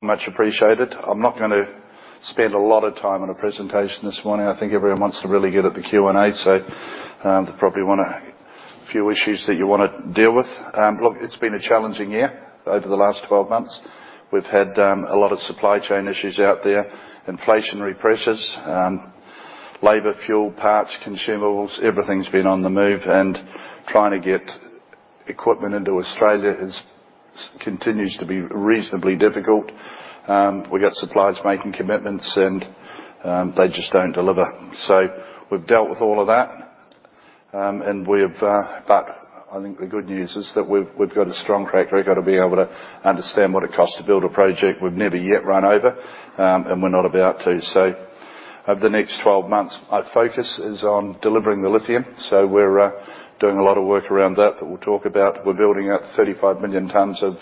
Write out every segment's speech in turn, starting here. Much appreciated. I'm not gonna spend a lot of time on the presentation this morning. I think everyone wants to really get at the Q&A, so there probably are a few issues that you want to deal with. Look, it's been a challenging year over the last 12 months. We've had a lot of supply chain issues out there, inflationary pressures, labor, fuel, parts, consumables, everything's been on the move, and trying to get equipment into Australia continues to be reasonably difficult. We get suppliers making commitments, and they just don't deliver. So we've dealt with all of that, and we've... But I think the good news is that we've got a strong track record of being able to understand what it costs to build a project. We've never yet run over, and we're not about to. So over the next 12 months, our focus is on delivering the lithium. So we're doing a lot of work around that we'll talk about. We're building out 35 million tons of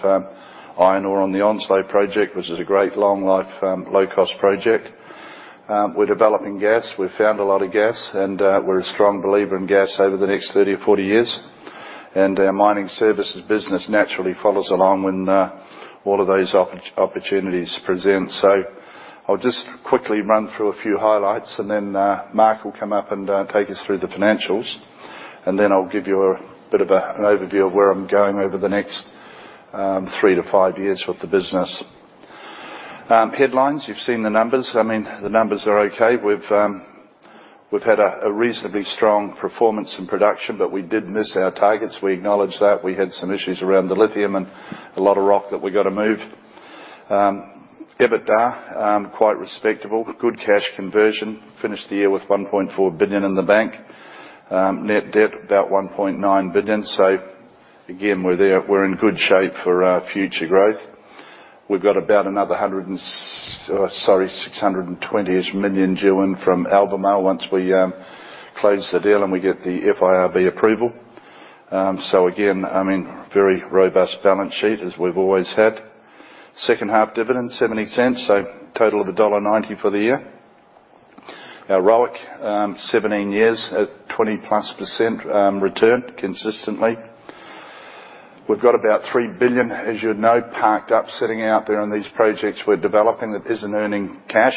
iron ore on the Onslow Project, which is a great long life low-cost project. We're developing gas. We've found a lot of gas, and we're a strong believer in gas over the next 30 or 40 years. And our mining services business naturally follows along when all of those opportunities present. So I'll just quickly run through a few highlights, and then Mark will come up and take us through the financials. And then I'll give you a bit of an overview of where I'm going over the next 3 to 5 years with the business. Headlines, you've seen the numbers. I mean, the numbers are okay. We've had a reasonably strong performance in production, but we did miss our targets. We acknowledge that. We had some issues around the lithium and a lot of rock that we got to move. EBITDA, quite respectable. Good cash conversion. Finished the year with 1.4 billion in the bank. Net debt, about 1.9 billion, so again, we're there- we're in good shape for future growth. We've got about another 620-ish million due in from Albemarle once we close the deal and we get the FIRB approval. So again, I mean, very robust balance sheet, as we've always had. Second half dividend, 0.70, so a total of dollar 1.90 for the year. Our ROIC, 17 years at 20%+ return consistently. We've got about 3 billion, as you know, parked up, sitting out there on these projects we're developing that isn't earning cash,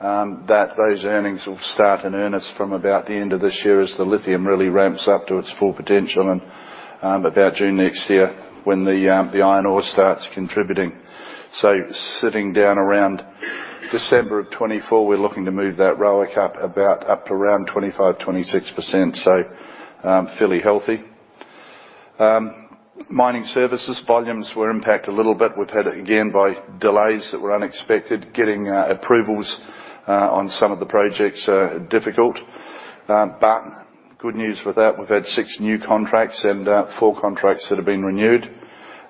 that those earnings will start and earn us from about the end of this year as the lithium really ramps up to its full potential and, about June next year when the, the iron ore starts contributing. So sitting down around December of 2024, we're looking to move that ROIC up about up to around 25%-26%, so, fairly healthy. Mining services, volumes were impacted a little bit. We've had, again, by delays that were unexpected. Getting, approvals, on some of the projects are difficult. But good news with that, we've had 6 new contracts and, 4 contracts that have been renewed,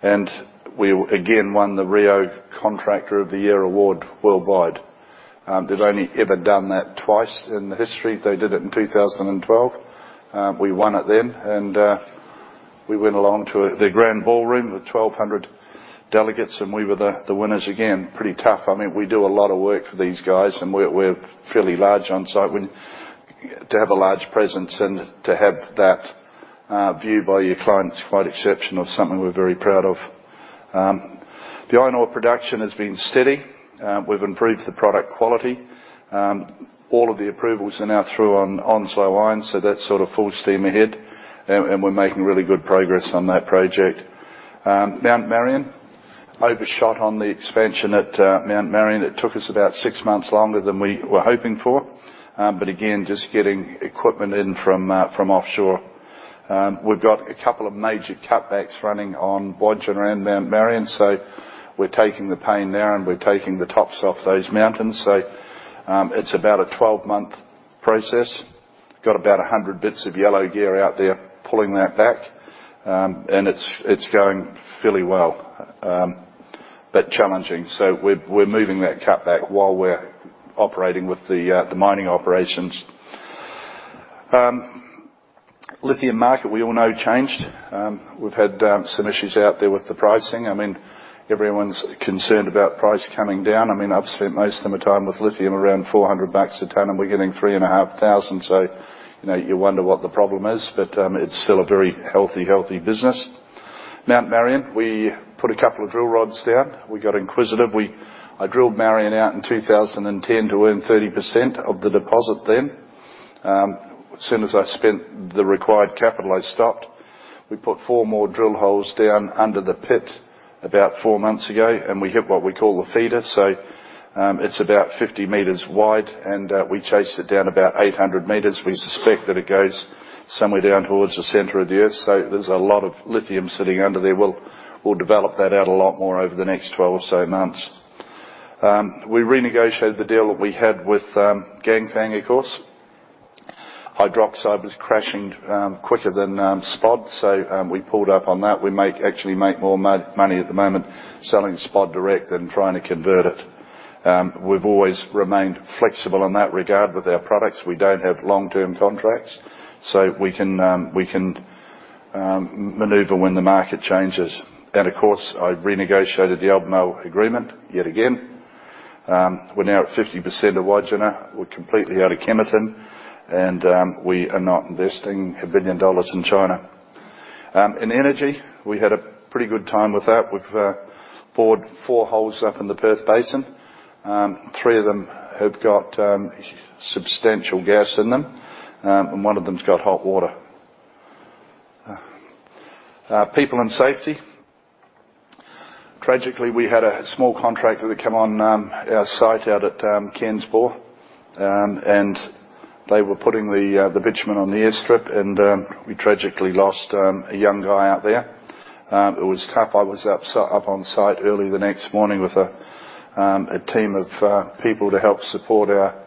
and we again, won the Rio Contractor of the Year award worldwide. They've only ever done that twice in the history. They did it in 2012. We won it then, and we went along to the Grand Ballroom with 1,200 delegates, and we were the winners again. Pretty tough. I mean, we do a lot of work for these guys, and we're fairly large on site. To have a large presence and to have that viewed by your client is quite exceptional, something we're very proud of. The iron ore production has been steady. We've improved the product quality. All of the approvals are now through on Onslow Iron, so that's sort of full steam ahead, and we're making really good progress on that project. Mount Marion, overshot on the expansion at Mount Marion. It took us about six months longer than we were hoping for, but again, just getting equipment in from offshore. We've got a couple of major cutbacks running on Wodgina around Mount Marion, so we're taking the pain there, and we're taking the tops off those mountains. So, it's about a 12-month process. Got about 100 bits of yellow gear out there pulling that back, and it's going fairly well, but challenging. So we're moving that cutback while we're operating with the mining operations. lithium market, we all know, changed. We've had some issues out there with the pricing. I mean, everyone's concerned about price coming down. I mean, I've spent most of my time with lithium around $400 a ton, and we're getting $3,500, so you know, you wonder what the problem is, but it's still a very healthy, healthy business. Mount Marion, we put a couple of drill rods down. We got inquisitive. I drilled Marion out in 2010 to own 30% of the deposit then. As soon as I spent the required capital, I stopped. We put 4 more drill holes down under the pit about 4 months ago, and we hit what we call the feeder. So, it's about 50 meters wide, and we chased it down about 800 meters. We suspect that it goes somewhere down towards the center of the earth, so there's a lot of lithium sitting under there. We'll develop that out a lot more over the next 12 or so months. We renegotiated the deal that we had with Ganfeng, of course. Hydroxide was crashing quicker than spod, so we pulled up on that. We actually make more money at the moment selling spod direct than trying to convert it. We've always remained flexible in that regard with our products. We don't have long-term contracts, so we can maneuver when the market changes. And of course, I renegotiated the Albemarle agreement yet again. We're now at 50% of Wodgina. We're completely out of Kemerton, and we are not investing 1 billion dollars in China. In energy, we had a pretty good time with that. We've bored 4 holes up in the Perth Basin. Three of them have got substantial gas in them, and one of them's got hot water. People and safety. Tragically, we had a small contractor that come on our site out at Ken's Bore. And they were putting the bitumen on the airstrip, and we tragically lost a young guy out there. It was tough. I was up on site early the next morning with a team of people to help support our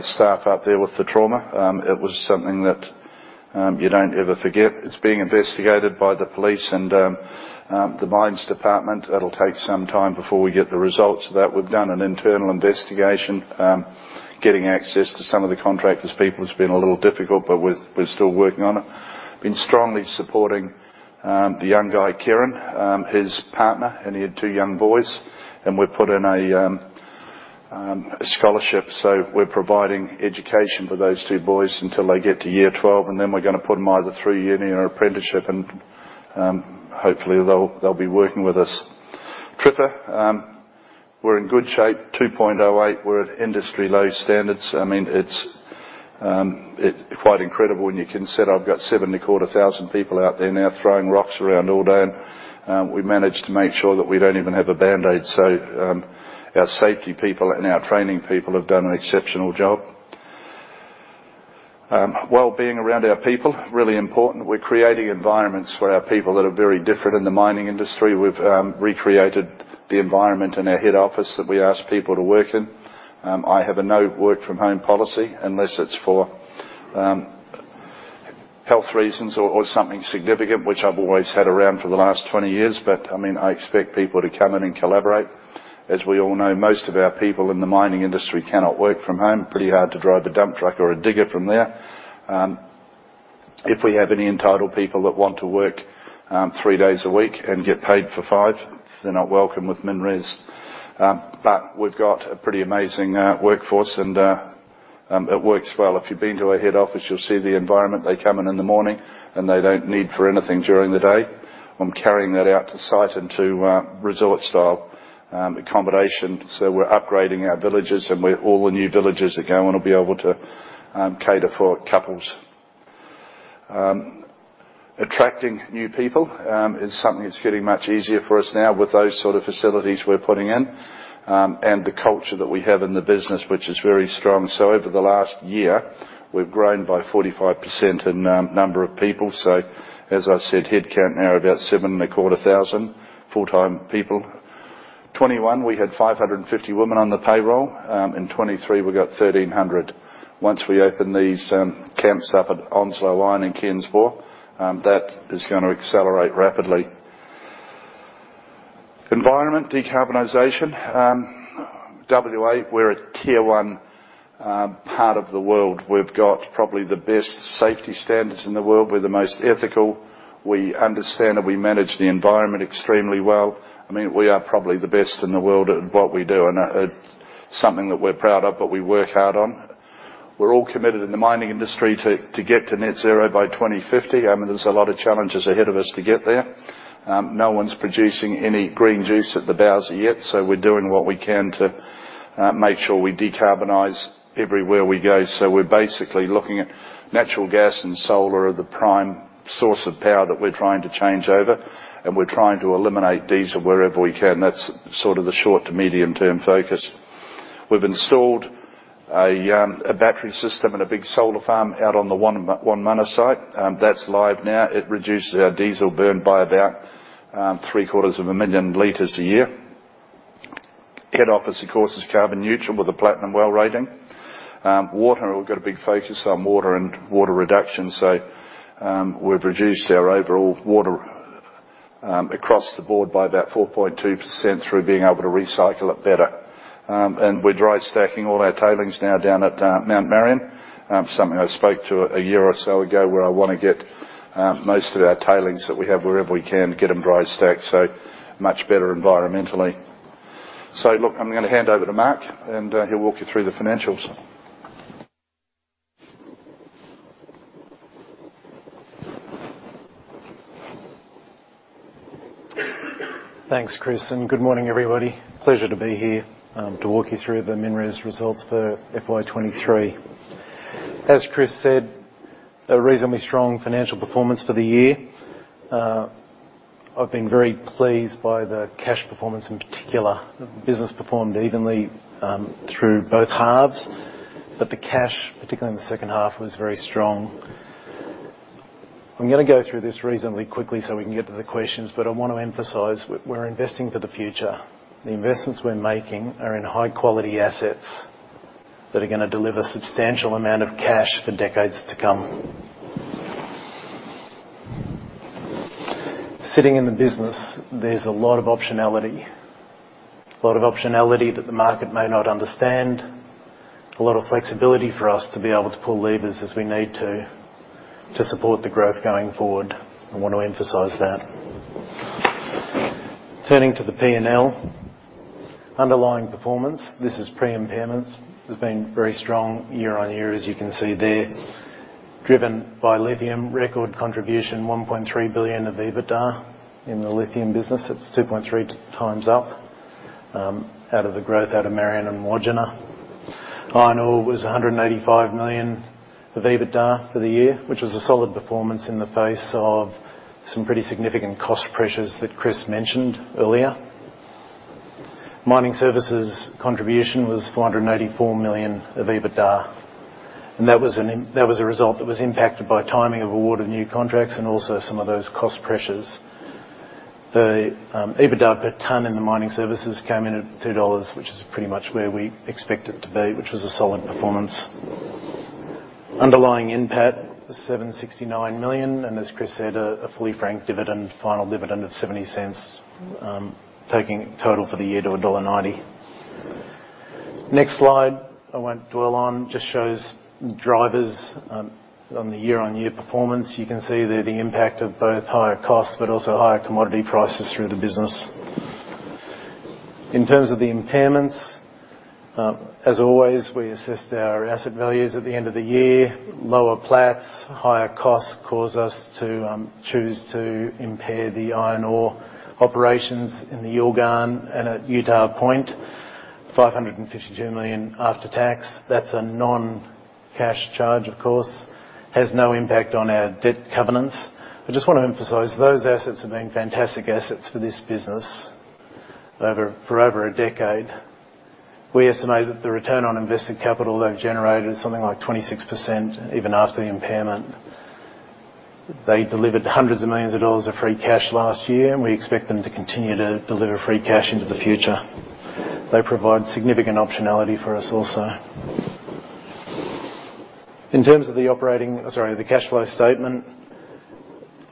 staff out there with the trauma. It was something that you don't ever forget. It's being investigated by the police and the Mines Department. It'll take some time before we get the results of that. We've done an internal investigation. Getting access to some of the contractor's people has been a little difficult, but we're, we're still working on it. Been strongly supporting the young guy, Kieran, his partner, and he had two young boys, and we've put in a scholarship. So we're providing education for those two boys until they get to Year 12, and then we're gonna put them either through a year in apprenticeship, and hopefully, they'll, they'll be working with us. TRIFR, we're in good shape. 2.08, we're at industry-low standards. I mean, it's quite incredible when you consider I've got 74,000 people out there now throwing rocks around all day. We managed to make sure that we don't even have a Band-Aid. So our safety people and our training people have done an exceptional job. Well-being around our people, really important. We're creating environments for our people that are very different in the mining industry. We've recreated the environment in our head office that we ask people to work in. I have a no work-from-home policy, unless it's for health reasons or something significant, which I've always had around for the last 20 years. But, I mean, I expect people to come in and collaborate. As we all know, most of our people in the mining industry cannot work from home. Pretty hard to drive a dump truck or a digger from there. If we have any entitled people that want to work 3 days a week and get paid for 5, they're not welcome with MinRes. But we've got a pretty amazing workforce, and it works well. If you've been to our head office, you'll see the environment. They come in in the morning, and they don't need for anything during the day. I'm carrying that out to site into resort-style accommodation. So we're upgrading our villages, and all the new villages are going to be able to cater for couples. Attracting new people is something that's getting much easier for us now with those sort of facilities we're putting in and the culture that we have in the business, which is very strong. So over the last year, we've grown by 45% in number of people. So as I said, headcount now are about 7,250 full-time people. In 2021, we had 550 women on the payroll. In 2023, we got 1,300. Once we open these camps up at Onslow Iron in Ken's Bore, that is gonna accelerate rapidly. Environment, decarbonization. WA, we're a tier one part of the world. We've got probably the best safety standards in the world. We're the most ethical. We understand that we manage the environment extremely well. I mean, we are probably the best in the world at what we do, and it's something that we're proud of, but we work hard on. We're all committed in the mining industry to get to net zero by 2050. There's a lot of challenges ahead of us to get there. No one's producing any green juice at the bows yet, so we're doing what we can to make sure we decarbonize everywhere we go. So we're basically looking at natural gas and solar are the prime source of power that we're trying to change over, and we're trying to eliminate diesel wherever we can. That's sort of the short to medium-term focus. We've installed a battery system and a big solar farm out on the Wonmunna site. That's live now. It reduces our diesel burn by about three-quarters of a million liters a year. Head office, of course, is carbon neutral with a Platinum WELL rating. Water, we've got a big focus on water and water reduction, so we've reduced our overall water across the board by about 4.2% through being able to recycle it better. We're dry stacking all our tailings now down at Mount Marion. Something I spoke to a year or so ago, where I want to get most of our tailings that we have wherever we can, get them dry stacked, so much better environmentally. Look, I'm gonna hand over to Mark, and he'll walk you through the financials. Thanks, Chris, and good morning, everybody. Pleasure to be here to walk you through the MinRes results for FY 2023. As Chris said, a reasonably strong financial performance for the year. I've been very pleased by the cash performance, in particular. The business performed evenly through both halves, but the cash, particularly in the second half, was very strong. I'm gonna go through this reasonably quickly so we can get to the questions, but I want to emphasize we're investing for the future. The investments we're making are in high-quality assets that are gonna deliver substantial amount of cash for decades to come. Sitting in the business, there's a lot of optionality, a lot of optionality that the market may not understand... a lot of flexibility for us to be able to pull levers as we need to, to support the growth going forward. I want to emphasize that. Turning to the P&L. Underlying performance, this is pre-impairments, has been very strong year-on-year, as you can see there, driven by lithium, record contribution, 1.3 billion of EBITDA in the lithium business. It's 2.3 times up, out of the growth out of Marion and Wodgina. iron ore was 185 million of EBITDA for the year, which was a solid performance in the face of some pretty significant cost pressures that Chris mentioned earlier. Mining services contribution was 484 million of EBITDA, and that was a result that was impacted by timing of award and new contracts, and also some of those cost pressures. EBITDA per ton in the mining services came in at 2 dollars, which is pretty much where we expect it to be, which was a solid performance. Underlying NPAT, 769 million, and as Chris said, a fully franked dividend, final dividend of 0.70, taking total for the year to dollar 1.90. Next slide, I won't dwell on, just shows drivers on the year-on-year performance. You can see there the impact of both higher costs but also higher commodity prices through the business. In terms of the impairments, as always, we assess our asset values at the end of the year. Lower prices, higher costs, cause us to choose to impair the iron ore operations in the Yilgarn and at Utah Point, 552 million after tax. That's a non-cash charge, of course. Has no impact on our debt covenants. I just want to emphasize, those assets have been fantastic assets for this business for over a decade. We estimate that the return on invested capital they've generated is something like 26%, even after the impairment. They delivered hundreds of millions of AUD of free cash last year, and we expect them to continue to deliver free cash into the future. They provide significant optionality for us also. In terms of the cash flow statement.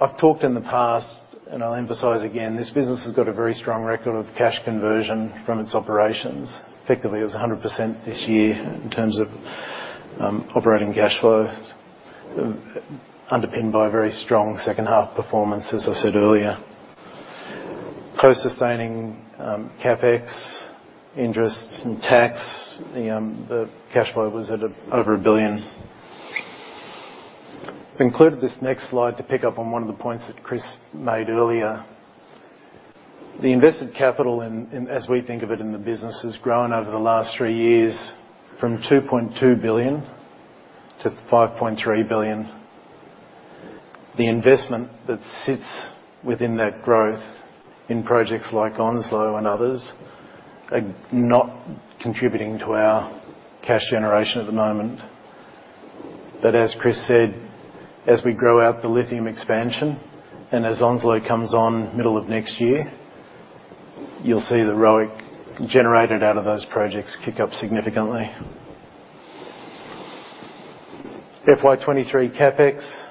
I've talked in the past, and I'll emphasize again, this business has got a very strong record of cash conversion from its operations. Effectively, it was 100% this year in terms of operating cash flows, underpinned by a very strong second half performance, as I said earlier. Post sustaining, CapEx, interest, and tax, the cash flow was at a over 1 billion. I've included this next slide to pick up on one of the points that Chris made earlier. The invested capital in, in, as we think of it in the business, has grown over the last three years from 2.2 billion to 5.3 billion. The investment that sits within that growth in projects like Onslow and others, are not contributing to our cash generation at the moment. But as Chris said, as we grow out the lithium expansion, and as Onslow comes on middle of next year, you'll see the ROIC generated out of those projects kick up significantly. FY 2023 CapEx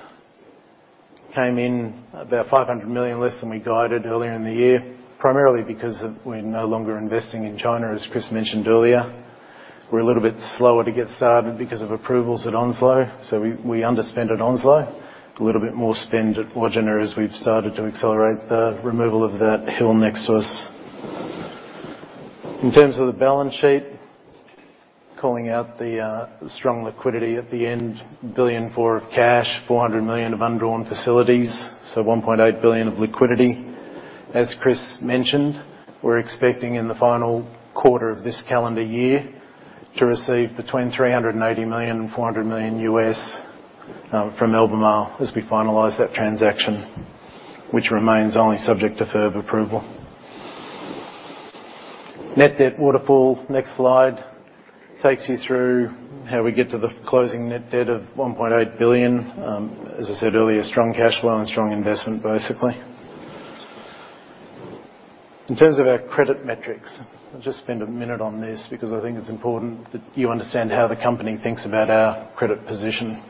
came in about 500 million less than we guided earlier in the year, primarily because of we're no longer investing in China, as Chris mentioned earlier. We're a little bit slower to get started because of approvals at Onslow, so we underspent at Onslow. A little bit more spend at Wodgina as we've started to accelerate the removal of that hill next to us. In terms of the balance sheet, calling out the strong liquidity at the end, 1.4 billion of cash, 400 million of undrawn facilities, so 1.8 billion of liquidity. As Chris mentioned, we're expecting in the final quarter of this calendar year to receive between $380 million and $400 million from Albemarle as we finalize that transaction, which remains only subject to further approval. Net debt waterfall, next slide, takes you through how we get to the closing net debt of 1.8 billion. As I said earlier, strong cash flow and strong investment, basically. In terms of our credit metrics, I'll just spend a minute on this because I think it's important that you understand how the company thinks about our credit position.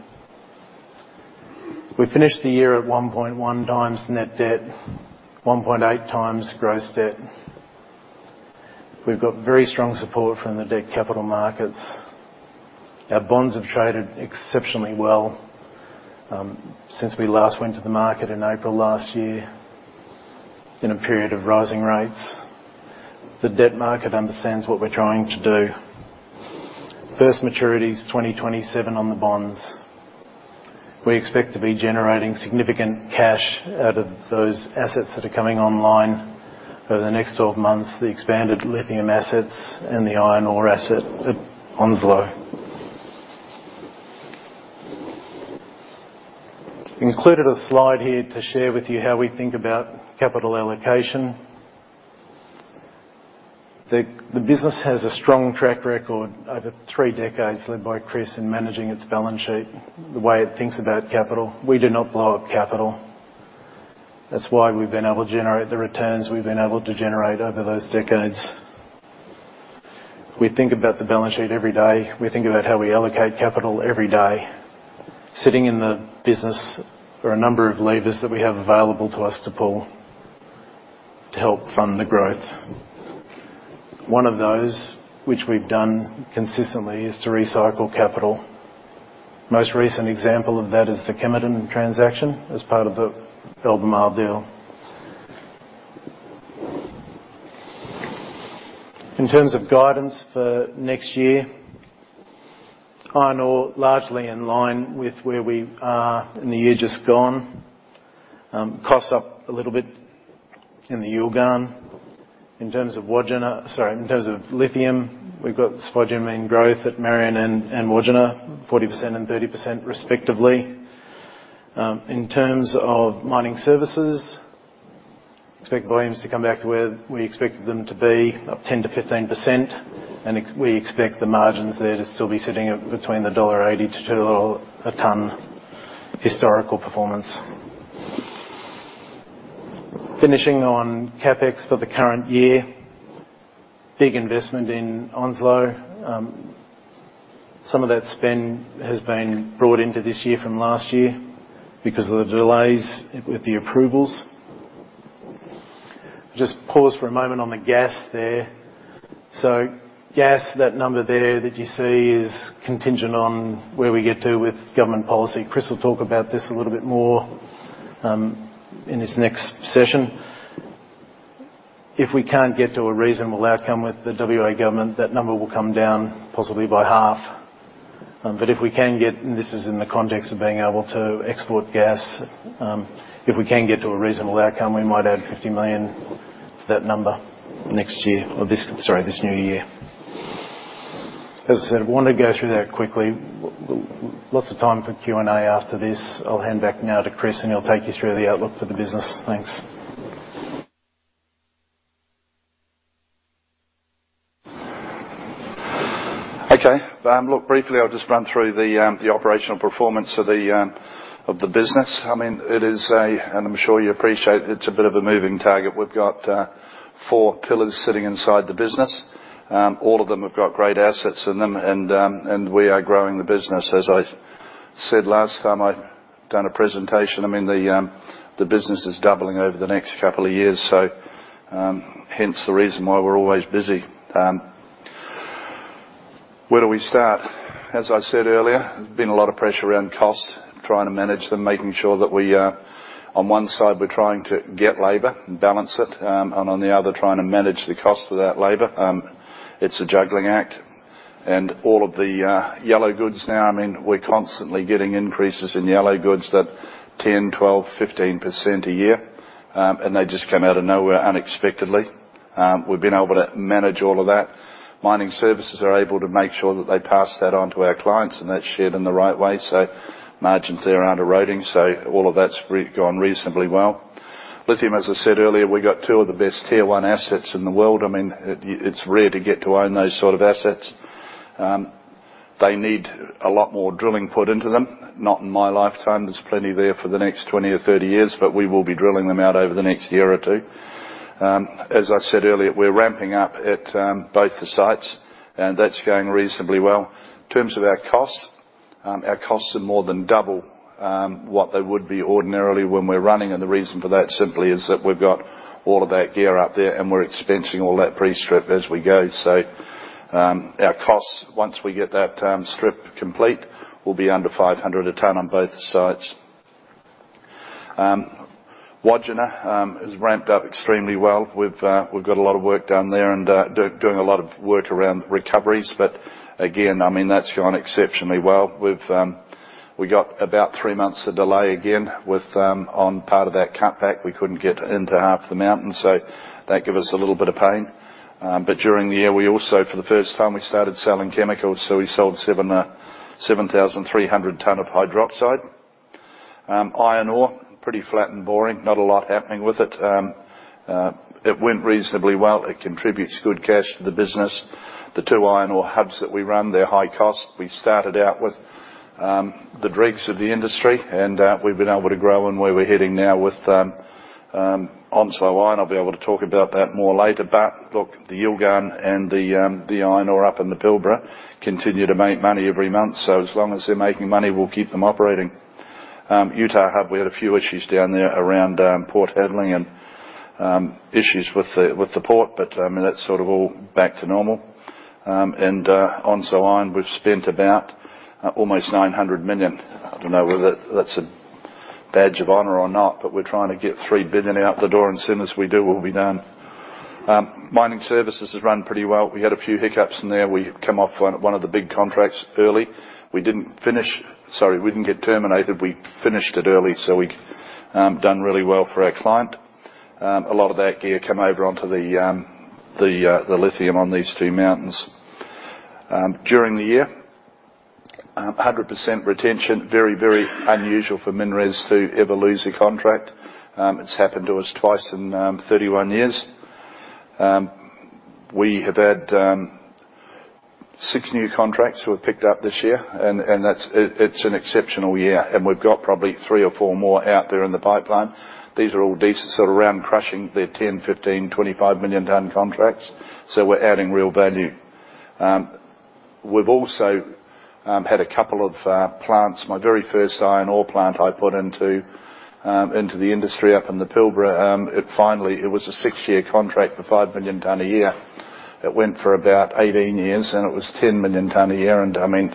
We finished the year at 1.1 times net debt, 1.8 times gross debt. We've got very strong support from the debt capital markets. Our bonds have traded exceptionally well, since we last went to the market in April last year, in a period of rising rates. The debt market understands what we're trying to do. First maturity is 2027 on the bonds. We expect to be generating significant cash out of those assets that are coming online over the next 12 months, the expanded lithium assets and the iron ore asset at Onslow. We included a slide here to share with you how we think about capital allocation. The business has a strong track record over three decades, led by Chris, in managing its balance sheet, the way it thinks about capital. We do not blow up capital. That's why we've been able to generate the returns we've been able to generate over those decades. We think about the balance sheet every day. We think about how we allocate capital every day. Sitting in the business, there are a number of levers that we have available to us to pull to help fund the growth. One of those, which we've done consistently, is to recycle capital. Most recent example of that is the Kemerton transaction as part of the Albemarle deal. In terms of guidance for next year, iron ore largely in line with where we are in the year just gone. Costs up a little bit in the Yilgarn. In terms of Wodgina—sorry, in terms of lithium, we've got spodumene growth at Marion and, and Wodgina, 40% and 30% respectively. In terms of mining services, expect volumes to come back to where we expected them to be, up 10%-15%, and we expect the margins there to still be sitting at between 1.80-2 dollar a ton, historical performance. Finishing on CapEx for the current year, big investment in Onslow. Some of that spend has been brought into this year from last year because of the delays with the approvals. Just pause for a moment on the gas there. So gas, that number there that you see, is contingent on where we get to with government policy. Chris will talk about this a little bit more, in this next session. If we can't get to a reasonable outcome with the WA government, that number will come down possibly by half. But if we can get, and this is in the context of being able to export gas, if we can get to a reasonable outcome, we might add 50 million to that number next year or this... Sorry, this new year. As I said, I wanted to go through that quickly. Lots of time for Q&A after this. I'll hand back now to Chris, and he'll take you through the outlook for the business. Thanks. Okay, look, briefly, I'll just run through the, the operational performance of the, of the business. I mean, it is a, and I'm sure you appreciate, it's a bit of a moving target. We've got, four pillars sitting inside the business. All of them have got great assets in them, and, and we are growing the business. As I said last time I'd done a presentation, I mean, the, the business is doubling over the next couple of years, so, hence the reason why we're always busy. Where do we start? As I said earlier, there's been a lot of pressure around costs, trying to manage them, making sure that we, on one side, we're trying to get labor and balance it, and on the other, trying to manage the cost of that labor. It's a juggling act, and all of the yellow goods now, I mean, we're constantly getting increases in yellow goods that 10, 12, 15% a year, and they just come out of nowhere unexpectedly. We've been able to manage all of that. Mining services are able to make sure that they pass that on to our clients, and that's shared in the right way, so margins there aren't eroding, so all of that's gone reasonably well. lithium, as I said earlier, we got two of the best tier one assets in the world. I mean, it, it's rare to get to own those sort of assets. They need a lot more drilling put into them. Not in my lifetime. There's plenty there for the next 20 or 30 years, but we will be drilling them out over the next year or 2. As I said earlier, we're ramping up at both the sites, and that's going reasonably well. In terms of our costs, our costs are more than double what they would be ordinarily when we're running, and the reason for that simply is that we've got all of that gear out there, and we're expensing all that pre-strip as we go. So, our costs, once we get that strip complete, will be under 500 a ton on both sites. Wodgina has ramped up extremely well. We've got a lot of work done there and doing a lot of work around recoveries, but again, I mean, that's gone exceptionally well. We've got about three months of delay again, with on part of that cutback. We couldn't get into half the mountain, so that gave us a little bit of pain. But during the year, we also, for the first time, we started selling chemicals, so we sold 7,300 tons of hydroxide. iron ore, pretty flat and boring. Not a lot happening with it. It went reasonably well. It contributes good cash to the business. The two iron ore hubs that we run, they're high cost. We started out with the dregs of the industry, and we've been able to grow, and where we're heading now with Onslow Iron, I'll be able to talk about that more later. But look, the Yilgarn and the iron ore up in the Pilbara continue to make money every month, so as long as they're making money, we'll keep them operating. Utah Point, we had a few issues down there around port handling and issues with the port, but that's sort of all back to normal. Onslow Iron, we've spent about almost 900 million. I don't know whether that's a badge of honor or not, but we're trying to get 3 billion out the door, and as soon as we do, we'll be done. Mining Services has run pretty well. We had a few hiccups in there. We come off one of the big contracts early. We didn't finish... Sorry, we didn't get terminated. We finished it early, so we done really well for our client. A lot of that gear come over onto the lithium on these two mountains. During the year, 100% retention, very, very unusual for MinRes to ever lose a contract. It's happened to us twice in 31 years. We have had 6 new contracts were picked up this year, and that's it, it's an exceptional year, and we've got probably 3 or 4 more out there in the pipeline. These are all decent, sort of around crushing. They're 10, 15, 25 million ton contracts, so we're adding real value. We've also had a couple of plants. My very first iron ore plant I put into the industry up in the Pilbara. It finally, it was a 6-year contract for 5 million tonne a year. It went for about 18 years, and it was 10 million tonne a year, and I mean,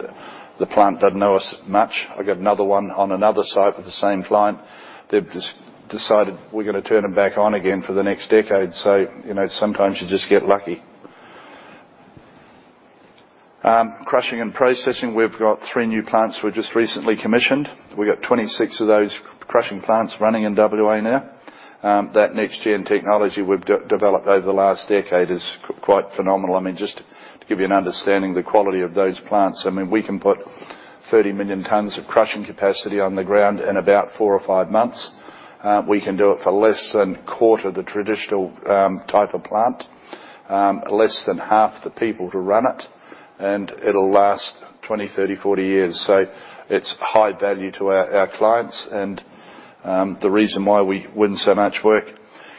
the plant doesn't owe us much. I got another one on another site with the same client. They've just decided we're gonna turn them back on again for the next decade. So, you know, sometimes you just get lucky. Crushing and processing, we've got three new plants were just recently commissioned. We got 26 of those crushing plants running in WA now. That next-gen technology we've developed over the last decade is quite phenomenal. I mean, just to give you an understanding of the quality of those plants, I mean, we can put 30 million tons of crushing capacity on the ground in about 4 or 5 months. We can do it for less than quarter the traditional type of plant, less than half the people to run it, and it'll last 20, 30, 40 years. So it's high value to our clients, and the reason why we win so much work.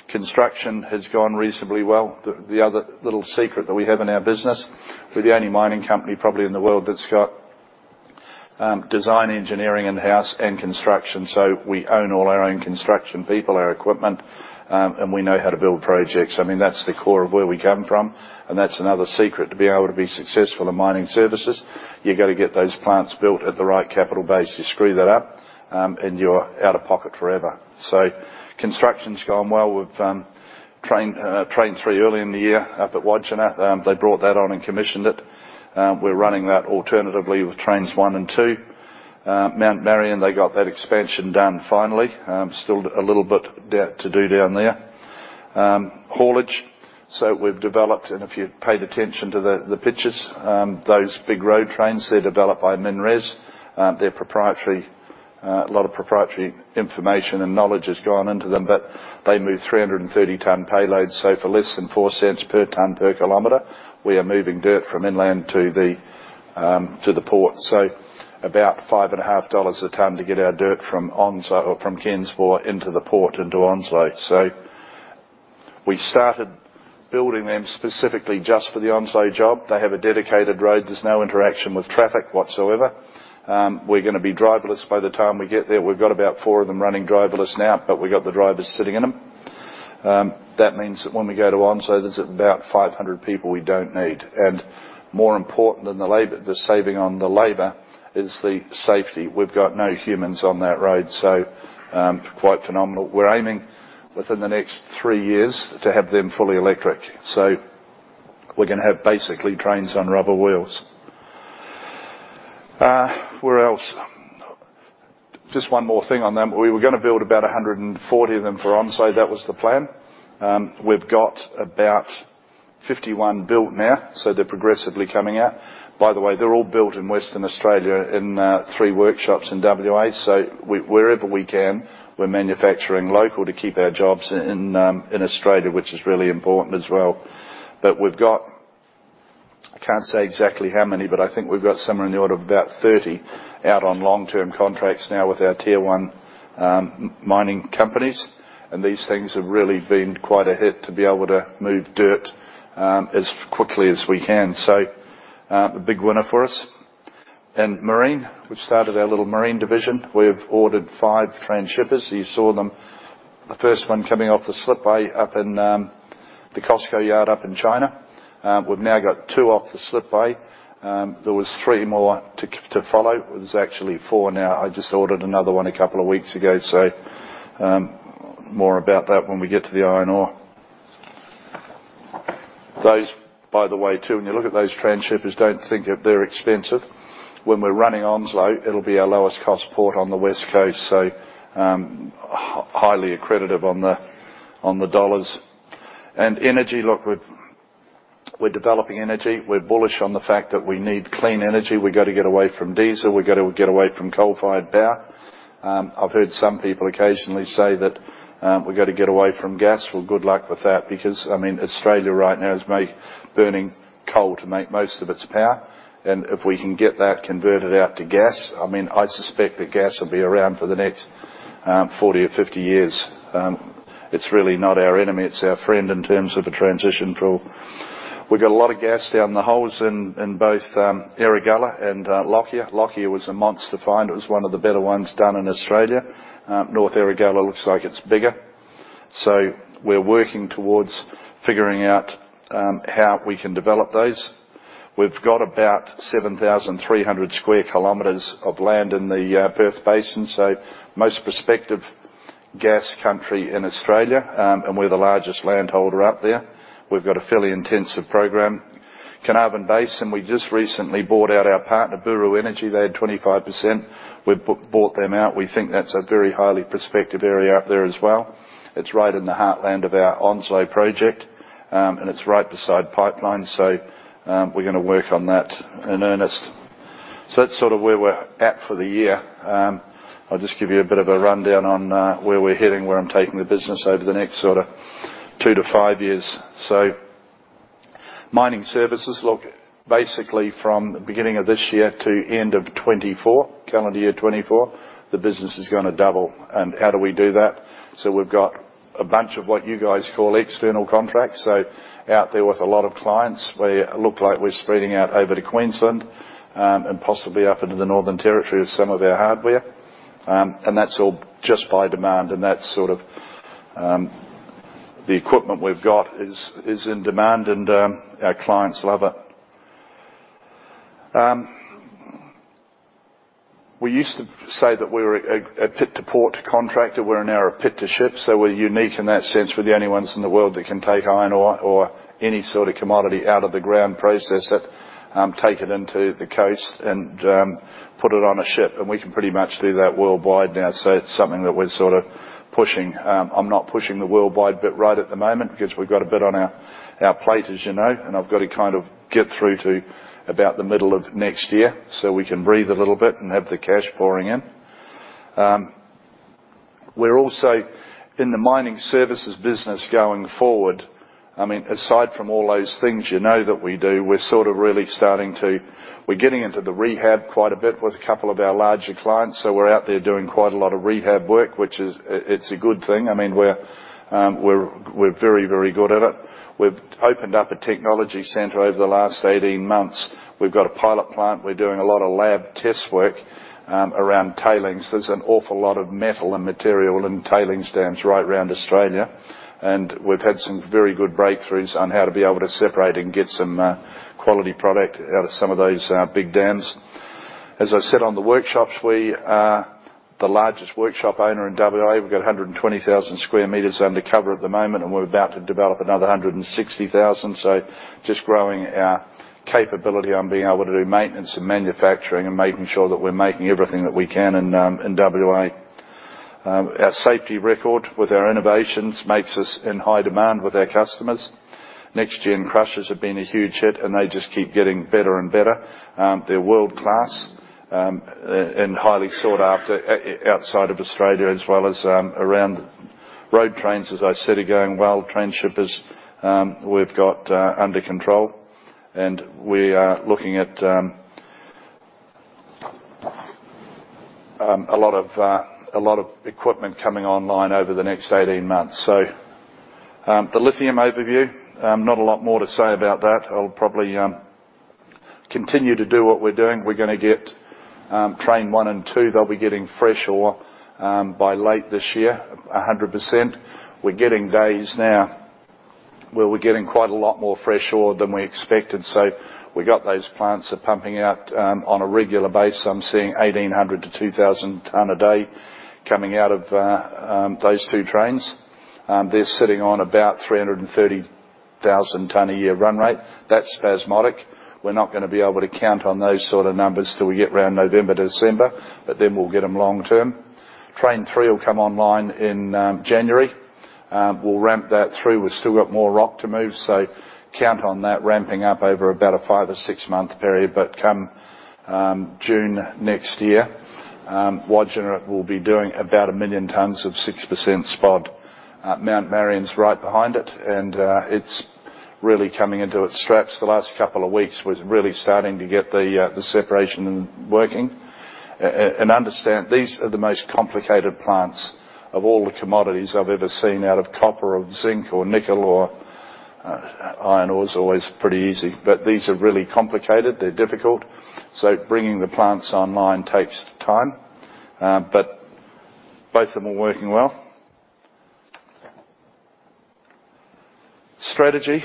Construction has gone reasonably well. The other little secret that we have in our business, we're the only mining company, probably in the world, that's got design, engineering in-house and construction. So we own all our own construction people, our equipment, and we know how to build projects. I mean, that's the core of where we come from, and that's another secret. To be able to be successful in mining services, you got to get those plants built at the right capital base. You screw that up, and you're out of pocket forever. So construction's gone well. We've Train 3 early in the year up at Wodgina. They brought that on and commissioned it. We're running that alternatively with Trains 1 and 2. Mount Marion, they got that expansion done finally. Still a little bit dirt to do down there. Haulage. So we've developed, and if you paid attention to the, the pictures, those big road trains, they're developed by MinRes. They're proprietary, a lot of proprietary information and knowledge has gone into them, but they move 330-ton payloads. So for less than 0.04 per ton per kilometer, we are moving dirt from inland to the port. So about 5.5 dollars a ton to get our dirt from Onslow or from Ken's Bore into the port, into Onslow. So we started building them specifically just for the Onslow job. They have a dedicated road. There's no interaction with traffic whatsoever. We're gonna be driverless by the time we get there. We've got about 4 of them running driverless now, but we got the drivers sitting in them. That means that when we go to Onslow, there's about 500 people we don't need. And more important than the labor, the saving on the labor, is the safety. We've got no humans on that road, so quite phenomenal. We're aiming within the next 3 years to have them fully electric. So we're gonna have basically trains on rubber wheels. Where else? Just one more thing on them. We were gonna build about 140 of them for Onslow. That was the plan. We've got about 51 built now, so they're progressively coming out. By the way, they're all built in Western Australia, in three workshops in WA. So wherever we can, we're manufacturing local to keep our jobs in Australia, which is really important as well. But we've got... I can't say exactly how many, but I think we've got somewhere in the order of about 30 out on long-term contracts now with our tier one mining companies. And these things have really been quite a hit to be able to move dirt as quickly as we can. So a big winner for us. And Marine, we've started our little Marine division. We've ordered 5 transhippers. You saw them, the first one coming off the slipway up in the COSCO yard up in China. We've now got 2 off the slipway. There was 3 more to follow. There's actually 4 now. I just ordered another one a couple of weeks ago, so more about that when we get to the iron ore. Those, by the way, too, when you look at those transhippers, don't think they're expensive. When we're running Onslow, it'll be our lowest cost port on the West Coast, so highly accredited on the dollars. And energy, look, we're developing energy. We're bullish on the fact that we need clean energy. We got to get away from diesel. We got to get away from coal-fired power. I've heard some people occasionally say that we got to get away from gas. Well, good luck with that, because, I mean, Australia right now is burning coal to make most of its power, and if we can get that converted out to gas, I mean, I suspect that gas will be around for the next 40 or 50 years. It's really not our enemy. It's our friend in terms of a transition tool. We've got a lot of gas down the holes in both Erregulla and Lockyer. Lockyer was a monster find. It was one of the better ones done in Australia. North Erregulla looks like it's bigger. So we're working towards figuring out how we can develop those. We've got about 7,300 square kilometers of land in the Perth Basin, so most prospective gas country in Australia. And we're the largest landholder up there. We've got a fairly intensive program. Carnarvon Basin, we just recently bought out our partner, Buru Energy. They had 25%. We bought them out. We think that's a very highly prospective area up there as well. It's right in the heartland of our Onslow project, and it's right beside pipeline, so, we're gonna work on that in earnest. So that's sort of where we're at for the year. I'll just give you a bit of a rundown on where we're heading, where I'm taking the business over the next sort of two to five years. Mining services. Look, basically, from the beginning of this year to end of 2024, calendar year 2024, the business is gonna double. And how do we do that? So we've got a bunch of what you guys call external contracts, so out there with a lot of clients. It look like we're spreading out over to Queensland, and possibly up into the Northern Territory with some of our hardware. And that's all just by demand, and that's sort of the equipment we've got is in demand, and our clients love it. We used to say that we were a pit-to-port contractor. We're now a pit-to-ship, so we're unique in that sense. We're the only ones in the world that can take iron ore or any sort of commodity out of the ground, process it, take it into the coast, and put it on a ship, and we can pretty much do that worldwide now. So it's something that we're sort of pushing. I'm not pushing the worldwide bit right at the moment because we've got a bit on our plate, as you know, and I've got to kind of get through to about the middle of next year, so we can breathe a little bit and have the cash pouring in. We're also in the mining services business going forward. I mean, aside from all those things you know that we do, we're sort of really starting to... We're getting into the rehab quite a bit with a couple of our larger clients, so we're out there doing quite a lot of rehab work, which is, it's a good thing. I mean, we're very, very good at it. We've opened up a technology center over the last 18 months. We've got a pilot plant. We're doing a lot of lab test work around tailings. There's an awful lot of metal and material in tailings dams right around Australia, and we've had some very good breakthroughs on how to be able to separate and get some quality product out of some of those big dams. As I said, on the workshops, we are the largest workshop owner in WA. We've got 120,000 square meters under cover at the moment, and we're about to develop another 160,000. So just growing our capability on being able to do maintenance and manufacturing and making sure that we're making everything that we can in WA. Our safety record with our innovations makes us in high demand with our customers. Next-gen crushers have been a huge hit, and they just keep getting better and better. They're world-class and highly sought after outside of Australia as well as around. Road trains, as I said, are going well. Transhippers, we've got under control, and we are looking at a lot of equipment coming online over the next 18 months. So, the lithium overview, not a lot more to say about that. I'll probably continue to do what we're doing. We're gonna get Trains 1 and 2, they'll be getting fresh ore by late this year, 100%. We're getting days now where we're getting quite a lot more fresh ore than we expected, so we got those plants are pumping out on a regular basis. I'm seeing 1,800-2,000 tons a day coming out of those two trains. They're sitting on about 330,000 tons a year run rate. That's spasmodic. We're not gonna be able to count on those sort of numbers till we get around November, December, but then we'll get them long term. Train 3 will come online in January. We'll ramp that through. We've still got more rock to move, so count on that ramping up over about a five- or six-month period. But come June next year, Wodgina will be doing about 1,000,000 tons of 6% spod. Mount Marion's right behind it, and it's really coming into its straps. The last couple of weeks was really starting to get the separation working. And understand, these are the most complicated plants of all the commodities I've ever seen out of copper, or zinc, or nickel, or iron ore is always pretty easy. But these are really complicated. They're difficult, so bringing the plants online takes time, but both of them are working well. Strategy.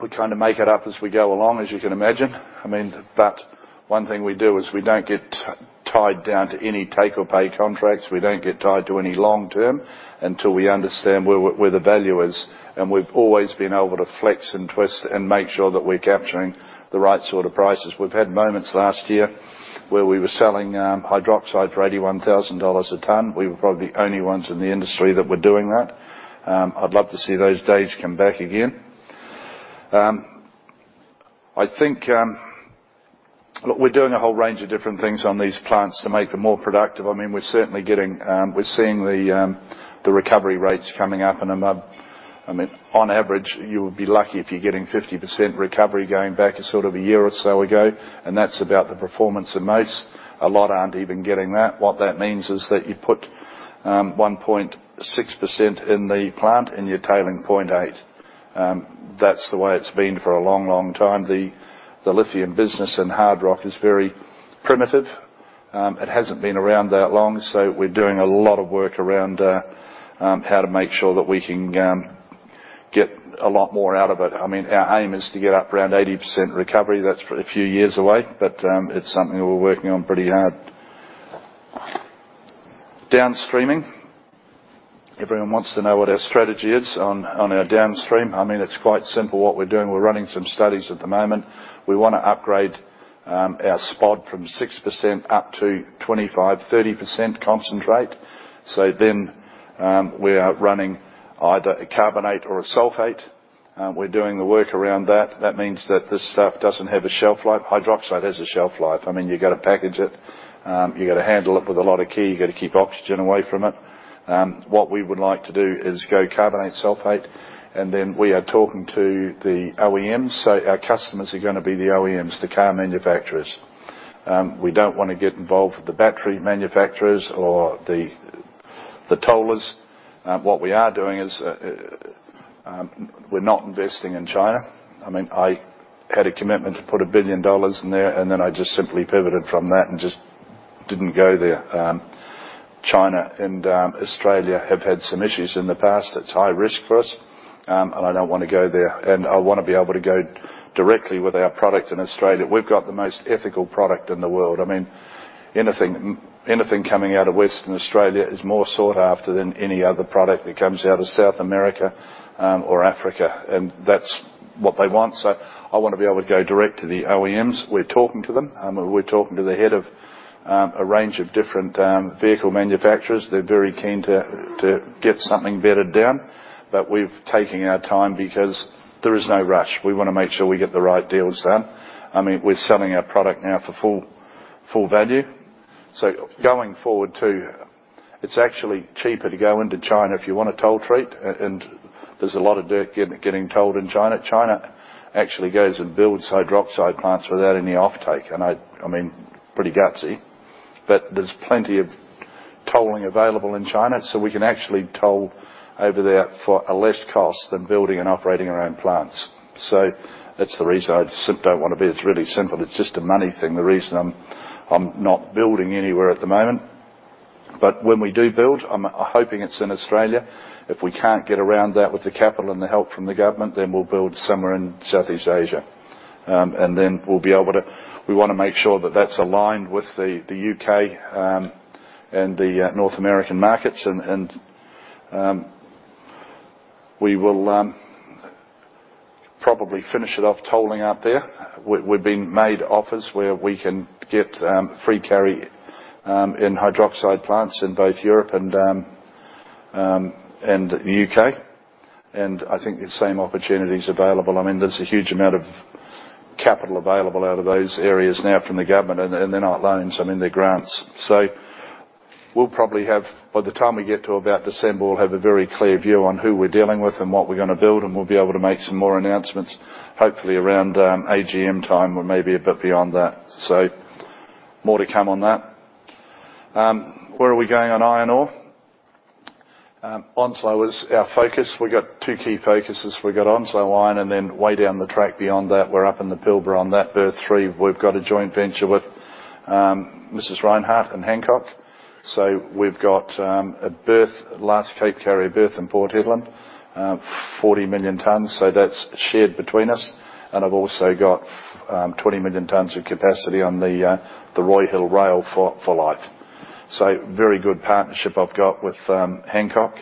We kind of make it up as we go along, as you can imagine. I mean, but one thing we do is we don't get tied down to any take-or-pay contracts. We don't get tied to any long term until we understand where, where the value is, and we've always been able to flex and twist and make sure that we're capturing the right sort of prices. We've had moments last year where we were selling hydroxide for $81,000 a ton. We were probably the only ones in the industry that were doing that. I'd love to see those days come back again. I think... Look, we're doing a whole range of different things on these plants to make them more productive. I mean, we're certainly getting-- we're seeing the, the recovery rates coming up in about... I mean, on average, you would be lucky if you're getting 50% recovery going back to sort of a year or so ago, and that's about the performance of most. A lot aren't even getting that. What that means is that you put, 1.6% in the plant and you're tailing 0.8. That's the way it's been for a long, long time. The, the lithium business and hard rock is very primitive. It hasn't been around that long, so we're doing a lot of work around how to make sure that we can get a lot more out of it. I mean, our aim is to get up around 80% recovery. That's a few years away, but it's something we're working on pretty hard. Downstreaming. Everyone wants to know what our strategy is on our downstream. I mean, it's quite simple what we're doing. We're running some studies at the moment. We wanna upgrade our spod from 6% up to 25-30% concentrate. So then, we are running either a carbonate or a sulfate. We're doing the work around that. That means that this stuff doesn't have a shelf life. Hydroxide has a shelf life. I mean, you've got to package it, you've got to handle it with a lot of care. You've got to keep oxygen away from it. What we would like to do is go carbonate, sulfate, and then we are talking to the OEMs. So our customers are gonna be the OEMs, the car manufacturers.... We don't wanna get involved with the battery manufacturers or the, the tollers. What we are doing is, we're not investing in China. I mean, I had a commitment to put 1 billion dollars in there, and then I just simply pivoted from that and just didn't go there. China and, Australia have had some issues in the past that's high risk for us, and I don't wanna go there, and I wanna be able to go directly with our product in Australia. We've got the most ethical product in the world. I mean, anything coming out of Western Australia is more sought after than any other product that comes out of South America, or Africa, and that's what they want. So I wanna be able to go direct to the OEMs. We're talking to them, and we're talking to the head of a range of different vehicle manufacturers. They're very keen to get something bedded down, but we've taking our time because there is no rush. We wanna make sure we get the right deals done. I mean, we're selling our product now for full value. So going forward, too, it's actually cheaper to go into China if you want a toll treat, and there's a lot of dirt getting tolled in China. China actually goes and builds hydroxide plants without any offtake, and I mean, pretty gutsy. But there's plenty of tolling available in China, so we can actually toll over there for a less cost than building and operating our own plants. So that's the reason I just don't wanna be there. It's really simple. It's just a money thing, the reason I'm not building anywhere at the moment. But when we do build, I'm hoping it's in Australia. If we can't get around that with the capital and the help from the government, then we'll build somewhere in Southeast Asia. And then we'll be able to... We wanna make sure that that's aligned with the U.K. and the North American markets, and we will probably finish it off tolling out there. We, we've been made offers where we can get, free carry, in hydroxide plants in both Europe and, and the UK, and I think the same opportunity's available. I mean, there's a huge amount of capital available out of those areas now from the government, and, and they're not loans, I mean, they're grants. So we'll probably have, by the time we get to about December, we'll have a very clear view on who we're dealing with and what we're gonna build, and we'll be able to make some more announcements, hopefully around, AGM time or maybe a bit beyond that. So more to come on that. Where are we going on iron ore? Onslow is our focus. We got two key focuses. We got Onslow Iron, and then way down the track beyond that, we're up in the Pilbara on that Berth 3. We've got a joint venture with Mrs. Rinehart and Hancock. So we've got a berth, last Capesize carrier berth in Port Hedland, 40 million tons, so that's shared between us. And I've also got 20 million tons of capacity on the Roy Hill rail for life. So very good partnership I've got with Hancock.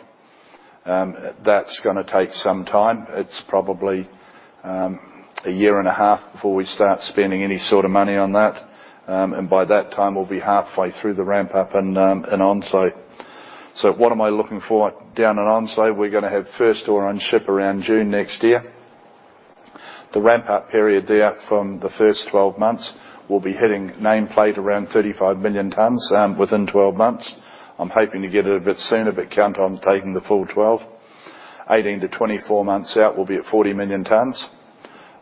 That's gonna take some time. It's probably a year and a half before we start spending any sort of money on that, and by that time, we'll be halfway through the ramp-up and on-site. So what am I looking for down in Onslow? We're gonna have first ore on ship around June next year. The ramp-up period there from the first 12 months, we'll be hitting nameplate around 35 million tons within 12 months. I'm hoping to get it a bit sooner, but count on taking the full 12. 18-24 months out, we'll be at 40 million tons.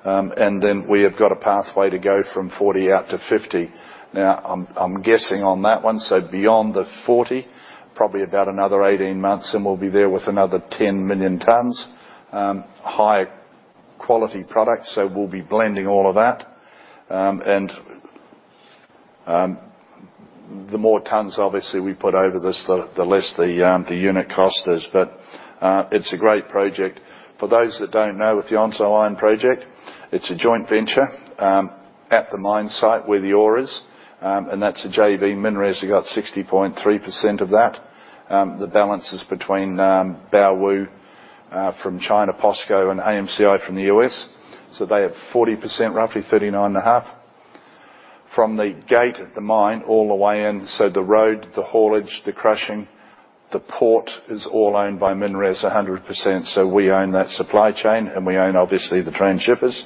And then we have got a pathway to go from 40 out to 50. Now, I'm guessing on that one, so beyond the 40, probably about another 18 months, and we'll be there with another 10 million tons. High-quality products, so we'll be blending all of that. And, the more tons, obviously, we put over this, the less the unit cost is, but it's a great project. For those that don't know, with the Onslow Iron Project, it's a joint venture at the mine site where the ore is, and that's a JV. MinRes has got 60.3% of that. The balance is between Baowu from China, POSCO and AMCI from the U.S. So they have 40%, roughly 39.5. From the gate at the mine, all the way in, so the road, the haulage, the crushing, the port is all owned by MinRes 100%. So we own that supply chain, and we own, obviously, the transhippers.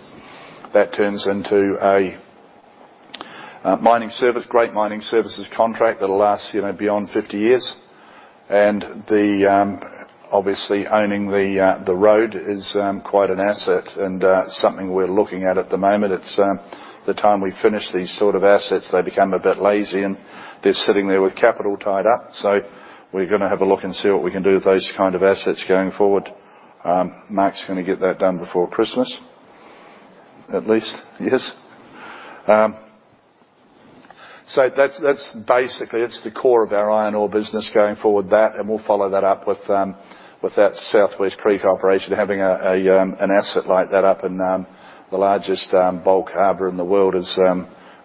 That turns into a mining service, great mining services contract that'll last, you know, beyond 50 years. And obviously, owning the road is quite an asset and something we're looking at at the moment. It's the time we finish these sort of assets, they become a bit lazy, and they're sitting there with capital tied up. So we're gonna have a look and see what we can do with those kind of assets going forward. Mark's gonna get that done before Christmas, at least. Yes? So that's, that's basically, it's the core of our iron ore business going forward. That, and we'll follow that up with that South West Creek operation. Having an asset like that up in the largest bulk harbor in the world is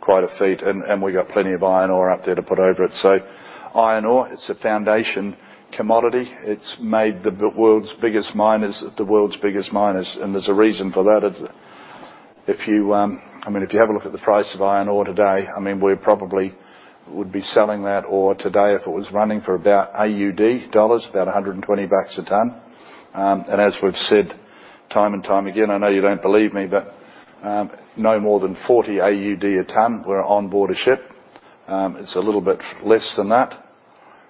quite a feat, and we got plenty of iron ore up there to put over it. So iron ore, it's a foundation commodity. It's made the world's biggest miners, the world's biggest miners, and there's a reason for that. If you, I mean, if you have a look at the price of iron ore today, I mean, we probably would be selling that ore today if it was running for about 120 bucks a ton. And as we've said time and time again, I know you don't believe me, but, no more than 40 AUD a ton FOB on board a ship. It's a little bit less than that.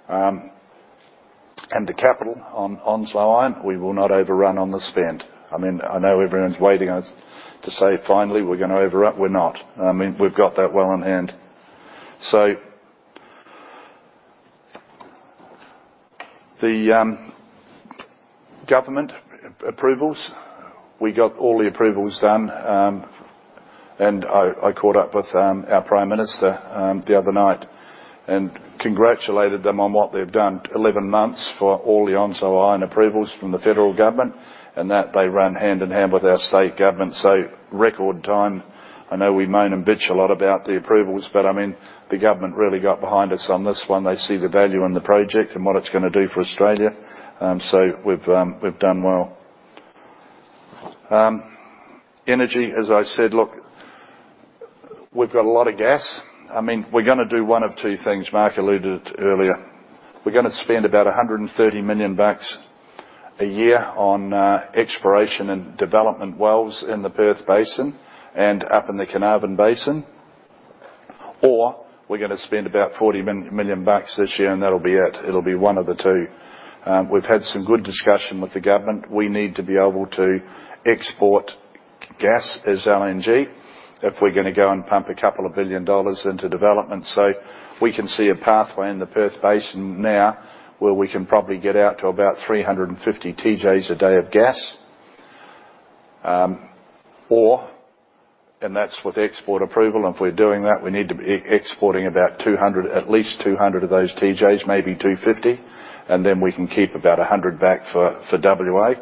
And the capital on Onslow Iron, we will not overrun on the spend. I mean, I know everyone's waiting on us to say, "Finally, we're gonna overrun." We're not. I mean, we've got that well in hand. So the government approvals, we got all the approvals done, and I caught up with our Prime Minister the other night and congratulated them on what they've done. 11 months for all the Onslow Iron approvals from the federal government, and that they ran hand in hand with our state government, so record time. I know we moan and beach a lot about the approvals, but I mean, the government really got behind us on this one. They see the value in the project and what it's gonna do for Australia. So we've done well. Energy, as I said, look, we've got a lot of gas. I mean, we're gonna do one of two things. Mark alluded earlier. We're gonna spend about 130 million bucks a year on exploration and development wells in the Perth Basin and up in the Carnarvon Basin. Or we're gonna spend about 40 million bucks this year, and that'll be it. It'll be one of the two. We've had some good discussion with the government. We need to be able to export gas as LNG if we're gonna go and pump 2 billion dollars into development. So we can see a pathway in the Perth Basin now, where we can probably get out to about 350 TJs a day of gas. And that's with export approval, and if we're doing that, we need to be exporting about 200, at least 200 of those TJs, maybe 250, and then we can keep about 100 back for WA.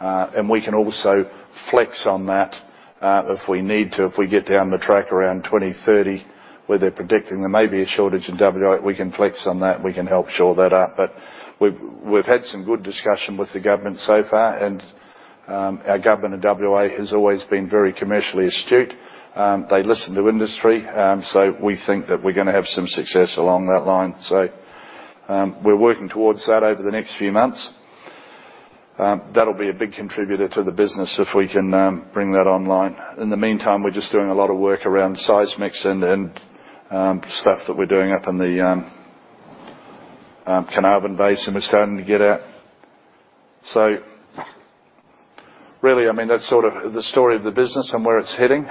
And we can also flex on that, if we need to. If we get down the track around 2030, where they're predicting there may be a shortage in WA, we can flex on that, we can help shore that up. But we've had some good discussion with the government so far, and our government in WA has always been very commercially astute. They listen to industry, so we think that we're gonna have some success along that line. So, we're working towards that over the next few months. That'll be a big contributor to the business if we can bring that online. In the meantime, we're just doing a lot of work around seismic and stuff that we're doing up in the Carnarvon Basin, and we're starting to get out. So really, I mean, that's sort of the story of the business and where it's heading.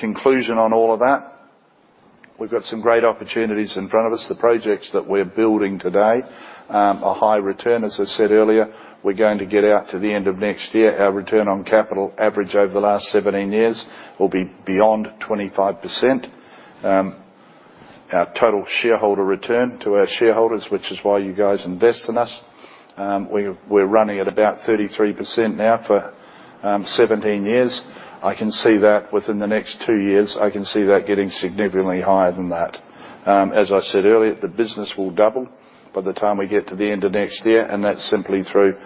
Conclusion on all of that, we've got some great opportunities in front of us. The projects that we're building today are high return. As I said earlier, we're going to get out to the end of next year. Our return on capital average over the last 17 years will be beyond 25%. Our total shareholder return to our shareholders, which is why you guys invest in us, we're running at about 33% now for 17 years. I can see that within the next 2 years, I can see that getting significantly higher than that. As I said earlier, the business will double by the time we get to the end of next year, and that's simply through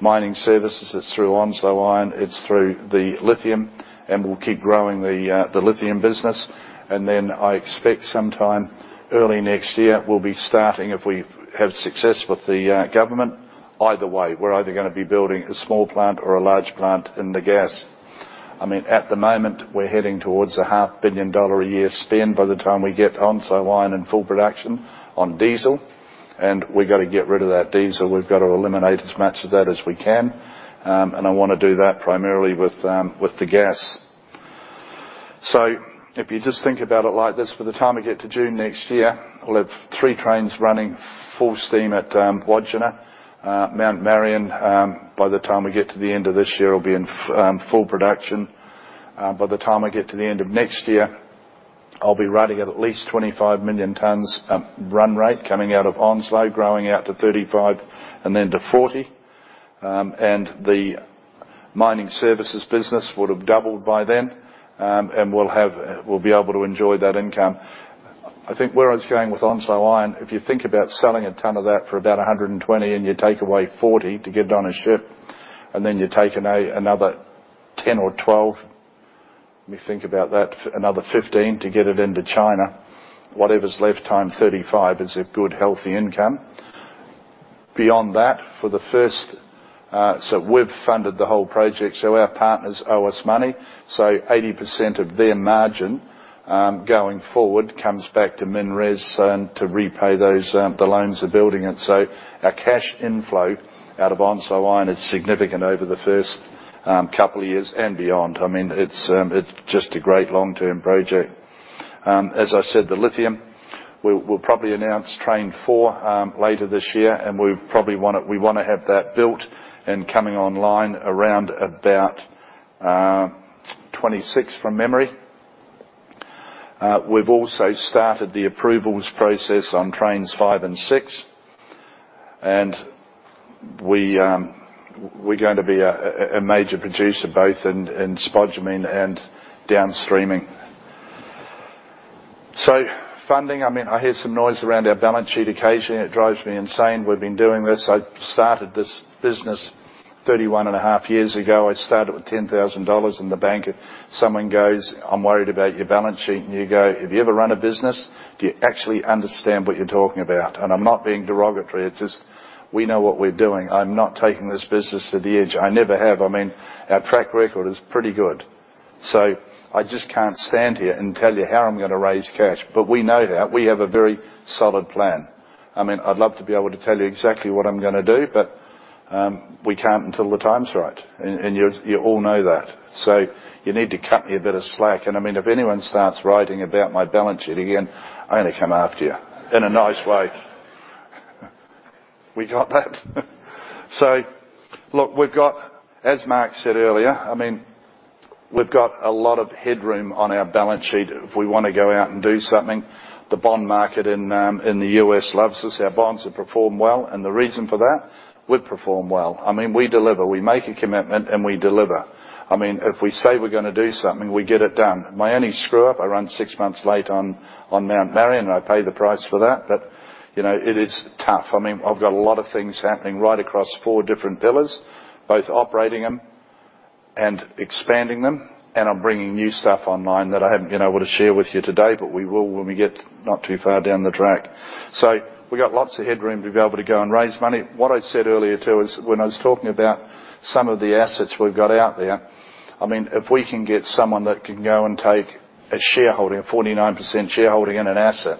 mining services. It's through Onslow Iron, it's through the lithium, and we'll keep growing the, the lithium business. And then I expect sometime early next year, we'll be starting, if we have success with the, government. Either way, we're either gonna be building a small plant or a large plant in the gas. I mean, at the moment, we're heading towards a 500 million dollar a year spend by the time we get Onslow Iron in full production on diesel, and we got to get rid of that diesel. We've got to eliminate as much of that as we can, and I wanna do that primarily with the gas. So if you just think about it like this, for the time we get to June next year, we'll have three trains running full steam at Wodgina. Mount Marion, by the time we get to the end of this year, will be in full production. By the time we get to the end of next year, I'll be running at least 25 million tons run rate coming out of Onslow, growing out to 35 and then to 40. And the mining services business would have doubled by then, and we'll be able to enjoy that income. I think where I was going with Onslow Iron, if you think about selling a ton of that for about $120, and you take away $40 to get it on a ship, and then you take another 10 or 12... Let me think about that. Another $15 to get it into China. Whatever's left times 35 is a good, healthy income. Beyond that, for the first... So we've funded the whole project, so our partners owe us money. So 80% of their margin, going forward, comes back to MinRes, to repay those, the loans are building, and so our cash inflow out of Onslow Iron is significant over the first, couple of years and beyond. I mean, it's, it's just a great long-term project. As I said, the lithium, we'll probably announce Train 4 later this year, and we probably wanna have that built and coming online around about 2026 from memory. We've also started the approvals process on Trains 5 and 6, and we're going to be a major producer, both in spodumene and downstream. So funding, I mean, I hear some noise around our balance sheet occasionally. It drives me insane. We've been doing this. I started this business 31.5 years ago. I started with 10,000 dollars in the bank, and someone goes, "I'm worried about your balance sheet." And you go, "Have you ever run a business? Do you actually understand what you're talking about?" And I'm not being derogatory. It's just, we know what we're doing. I'm not taking this business to the edge. I never have. I mean, our track record is pretty good. So I just can't stand here and tell you how I'm gonna raise cash, but we know that. We have a very solid plan. I mean, I'd love to be able to tell you exactly what I'm gonna do, but, we can't until the time's right. And, and you, you all know that. So you need to cut me a bit of slack, and, I mean, if anyone starts writing about my balance sheet again, I'm gonna come after you, in a nice way. We got that? So, look, we've got, as Mark said earlier, I mean, we've got a lot of headroom on our balance sheet. If we wanna go out and do something, the bond market in, in the U.S. loves us. Our bonds have performed well, and the reason for that? We perform well. I mean, we deliver. We make a commitment, and we deliver. I mean, if we say we're gonna do something, we get it done. My only screw-up, I ran 6 months late on Mount Marion, and I paid the price for that, but you know, it is tough. I mean, I've got a lot of things happening right across 4 different pillars, both operating them and expanding them, and I'm bringing new stuff online that I haven't been able to share with you today, but we will when we get not too far down the track. So we've got lots of headroom to be able to go and raise money. What I said earlier, too, is when I was talking about some of the assets we've got out there, I mean, if we can get someone that can go and take a shareholding, a 49% shareholding in an asset,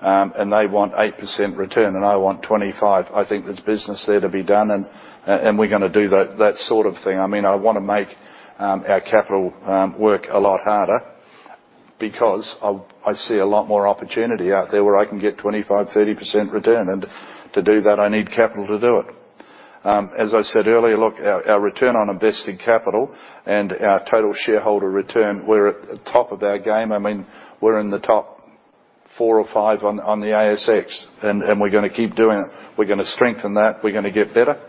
and they want 8% return, and I want 25%, I think there's business there to be done, and we're gonna do that, that sort of thing. I mean, I wanna make our capital work a lot harder because I see a lot more opportunity out there where I can get 25%-30% return, and to do that, I need capital to do it. As I said earlier, look, our return on invested capital and our total shareholder return, we're at the top of our game. I mean, we're in the top four or five on the ASX, and we're gonna keep doing it. We're gonna strengthen that. We're gonna get better.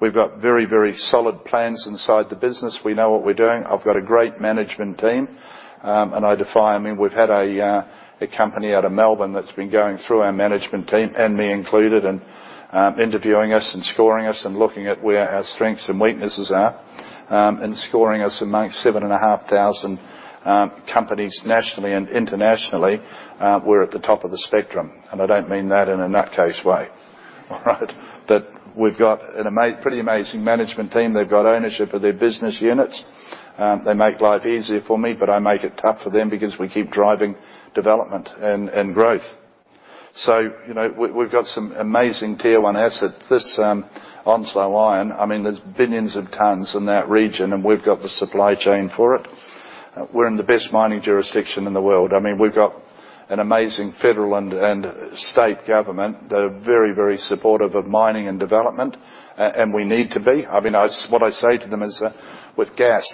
We've got very, very solid plans inside the business. We know what we're doing. I've got a great management team, and I mean, we've had a company out of Melbourne that's been going through our management team, and me included, and interviewing us and scoring us and looking at where our strengths and weaknesses are, and scoring us amongst 7,500 companies nationally and internationally. We're at the top of the spectrum, and I don't mean that in a nutcase way, all right? That we've got a pretty amazing management team. They've got ownership of their business units. They make life easier for me, but I make it tough for them because we keep driving development and growth. So, you know, we, we've got some amazing Tier One assets. This, Onslow Iron, I mean, there's billions of tons in that region, and we've got the supply chain for it. We're in the best mining jurisdiction in the world. I mean, we've got an amazing federal and state government. They're very, very supportive of mining and development. And we need to be. I mean, what I say to them is that with gas,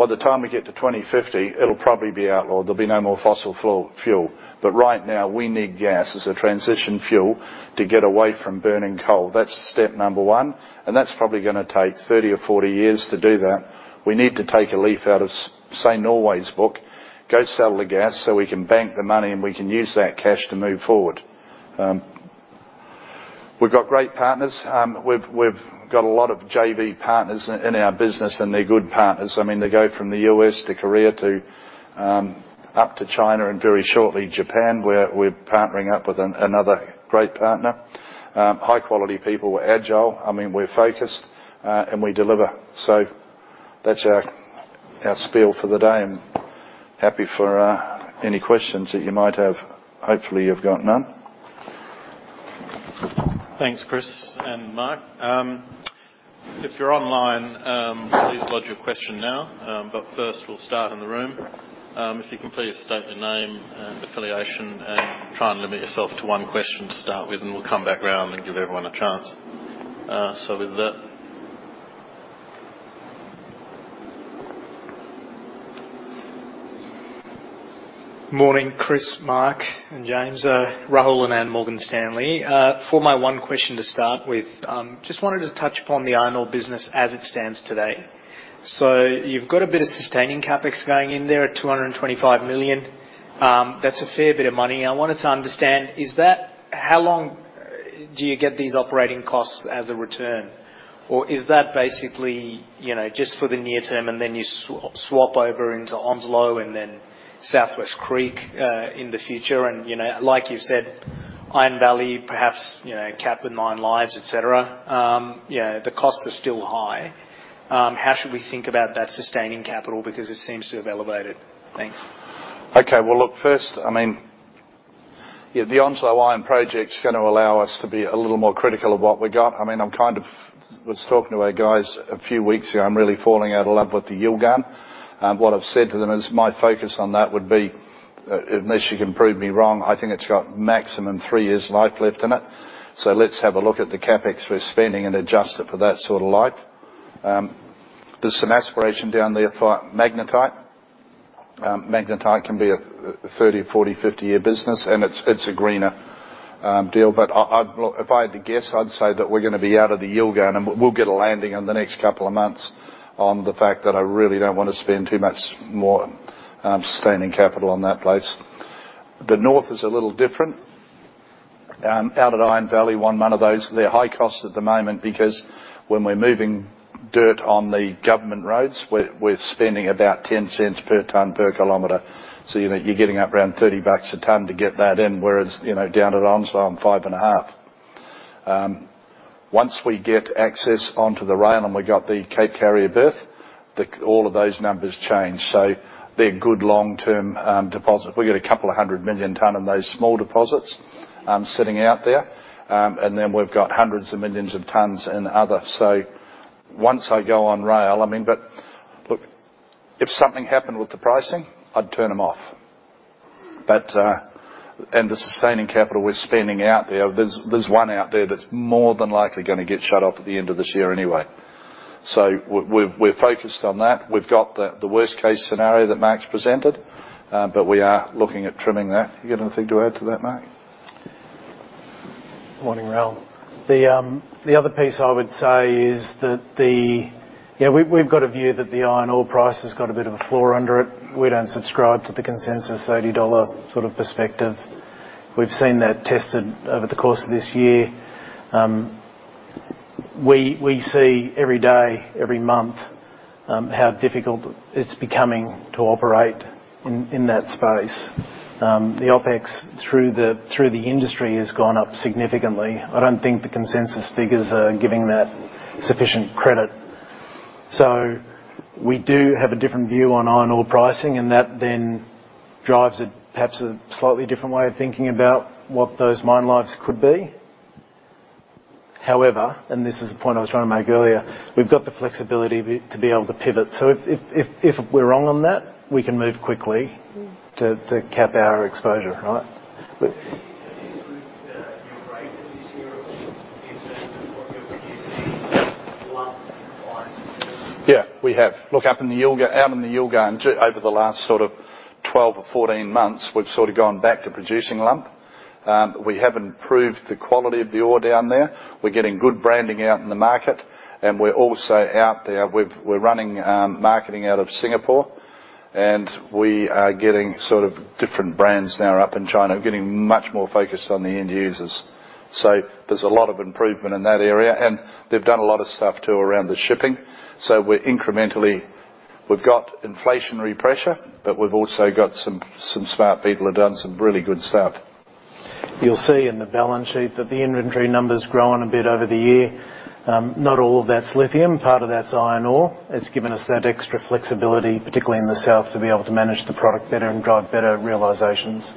by the time we get to 2050, it'll probably be outlawed. There'll be no more fossil fuel. But right now, we need gas as a transition fuel to get away from burning coal. That's step number one, and that's probably gonna take 30 or 40 years to do that. We need to take a leaf out of, say, Norway's book, go sell the gas so we can bank the money, and we can use that cash to move forward. We've got great partners. We've got a lot of JV partners in our business, and they're good partners. I mean, they go from the US to Korea to up to China, and very shortly, Japan, where we're partnering up with another great partner. High quality people. We're agile, I mean, we're focused, and we deliver. So that's our spiel for the day. I'm happy for any questions that you might have. Hopefully, you've got none. Thanks, Chris and Mark. If you're online, please lodge your question now. But first, we'll start in the room. If you can please state your name and affiliation, and try and limit yourself to one question to start with, and we'll come back around and give everyone a chance. So with that... Morning, Chris, Mark, and James. Rahul Anand, Morgan Stanley. For my one question to start with, just wanted to touch upon the iron ore business as it stands today. So you've got a bit of sustaining CapEx going in there at 225 million. That's a fair bit of money. I wanted to understand, is that how long do you get these operating costs as a return? Or is that basically, you know, just for the near term, and then you swap over into Onslow and then South West Creek in the future? And, you know, like you said, Iron Valley, perhaps, you know, cap on mine lives, et cetera. Yeah, the costs are still high. How should we think about that sustaining capital? Because it seems to have elevated. Thanks. Okay. Well, look, first, I mean, yeah, the Onslow Iron Project is gonna allow us to be a little more critical of what we got. I mean, I'm kind of was talking to our guys a few weeks ago, I'm really falling out of love with the Yilgarn. And what I've said to them is, my focus on that would be, unless you can prove me wrong, I think it's got maximum three years life left in it. So let's have a look at the CapEx we're spending and adjust it for that sort of life. There's some aspiration down there for magnetite. Magnetite can be a 30-, 40- or 50-year business, and it's a greener deal. But I'd look, if I had to guess, I'd say that we're gonna be out of the Yilgarn, and we'll get a landing in the next couple of months on the fact that I really don't want to spend too much more sustaining capital on that place. The North is a little different. Out at Iron Valley, one of those, they're high cost at the moment because when we're moving dirt on the government roads, we're spending about 0.10 per ton per kilometer. So, you know, you're getting up around 30 bucks a ton to get that in, whereas, you know, down at Onslow, 5.5. Once we get access onto the rail and we got the Cape carrier berth, the all of those numbers change. So they're good long-term deposit. We get 200 million tons in those small deposits sitting out there. And then we've got hundreds of millions of tons in other. So once I go on rail, I mean, but look, if something happened with the pricing, I'd turn them off. But and the sustaining capital we're spending out there, there's one out there that's more than likely gonna get shut off at the end of this year anyway. So we're focused on that. We've got the worst case scenario that Mark's presented, but we are looking at trimming that. You got anything to add to that, Mark? Morning, Ralph. The other piece I would say is that the, yeah, we've got a view that the iron ore price has got a bit of a floor under it. We don't subscribe to the consensus $80 sort of perspective. We've seen that tested over the course of this year. We see every day, every month, how difficult it's becoming to operate in that space. The OpEx through the industry has gone up significantly. I don't think the consensus figures are giving that sufficient credit. So we do have a different view on iron ore pricing, and that then drives a perhaps a slightly different way of thinking about what those mine lives could be. However, and this is the point I was trying to make earlier, we've got the flexibility to be able to pivot. So if we're wrong on that, we can move quickly to cap our exposure, right? Have you improved your rate this year or you're producing lump price? Yeah, we have. Look up in the Yilgarn—out in the Yilgarn, over the last sort of 12 or 14 months, we've sort of gone back to producing lump. We have improved the quality of the ore down there. We're getting good branding out in the market, and we're also out there, we've—we're running marketing out of Singapore, and we are getting sort of different brands now up in China, getting much more focused on the end users. So there's a lot of improvement in that area, and they've done a lot of stuff, too, around the shipping. So we're incrementally—we've got inflationary pressure, but we've also got some smart people who have done some really good stuff. You'll see in the balance sheet that the inventory numbers grown a bit over the year. Not all of that's lithium, part of that's iron ore. It's given us that extra flexibility, particularly in the south, to be able to manage the product better and drive better realizations.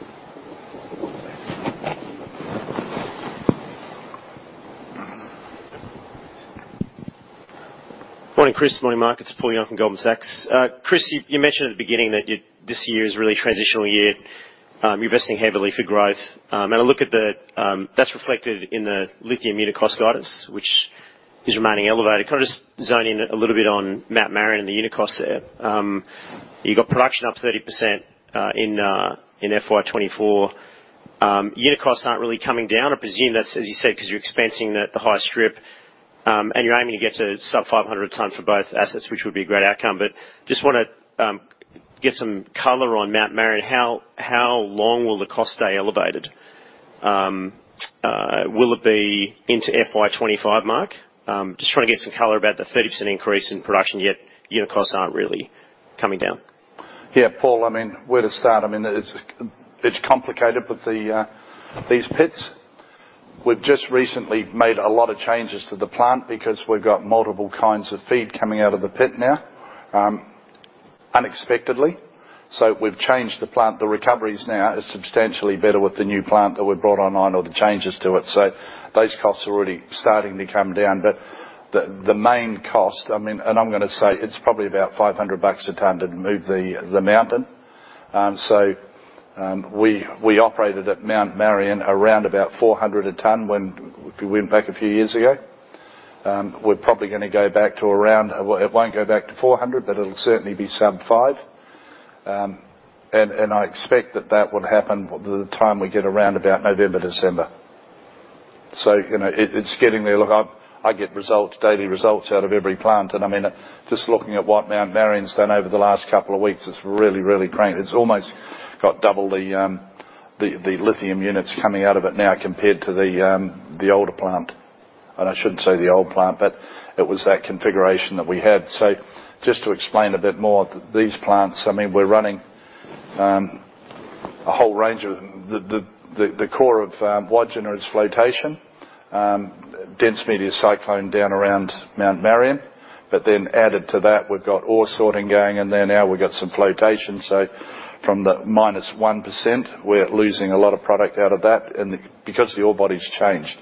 Morning, Chris. Morning, Mark. It's Paul Young from Goldman Sachs. Chris, you mentioned at the beginning that this year is really a transitional year. You're investing heavily for growth. And I look at the, that's reflected in the lithium unit cost guidance, which is remaining elevated. Can I just zone in a little bit on Mount Marion and the unit costs there? You got production up 30%, in FY 2024. Unit costs aren't really coming down. I presume that's, as you said, because you're expensing the high strip, and you're aiming to get to sub 500/ton for both assets, which would be a great outcome. But just wanna get some color on Mount Marion. How long will the cost stay elevated? Will it be into FY 2025, Mark? Just trying to get some color about the 30% increase in production, yet unit costs aren't really coming down. Yeah, Paul, I mean, where to start? I mean, it's, it's complicated, but these pits, we've just recently made a lot of changes to the plant because we've got multiple kinds of feed coming out of the pit now, unexpectedly. So we've changed the plant. The recoveries now is substantially better with the new plant that we brought online or the changes to it. So those costs are already starting to come down. But the main cost, I mean, and I'm gonna say it's probably about 500 bucks a ton to move the mountain. So we operated at Mount Marion around about 400 a ton when we went back a few years ago. We're probably gonna go back to around... it won't go back to 400, but it'll certainly be sub 500. I expect that that would happen the time we get around about November, December. So, you know, it's getting there. Look, I get results, daily results out of every plant, and I mean, just looking at what Mount Marion's done over the last couple of weeks, it's really, really great. It's almost got double the lithium units coming out of it now compared to the older plant. And I shouldn't say the old plant, but it was that configuration that we had. So just to explain a bit more, these plants, I mean, we're running a whole range of them. The core of Wodgina is flotation, dense media cyclone down around Mount Marion. But then added to that, we've got ore sorting going in there. Now, we've got some flotation. So from the minus 1%, we're losing a lot of product out of that, and because the ore body's changed.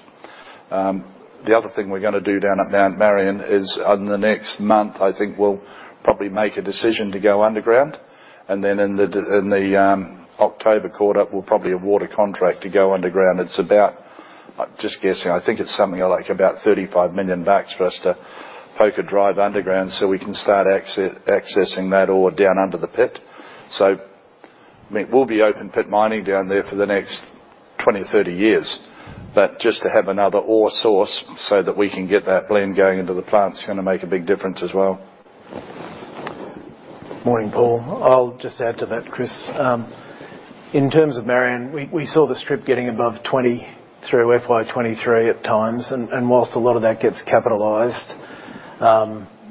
The other thing we're gonna do down at Mount Marion is on the next month, I think we'll probably make a decision to go underground, and then in the October quarter, we'll probably award a contract to go underground. It's about, I'm just guessing, I think it's something like about 35 million bucks for us to poke a drive underground so we can start accessing that ore down under the pit. So, I mean, we'll be open pit mining down there for the next 20 or 30 years. But just to have another ore source so that we can get that blend going into the plant, is gonna make a big difference as well. Morning, Paul. I'll just add to that, Chris. In terms of Marion, we, we saw the strip getting above 20 through FY 2023 at times, and, and whilst a lot of that gets capitalized...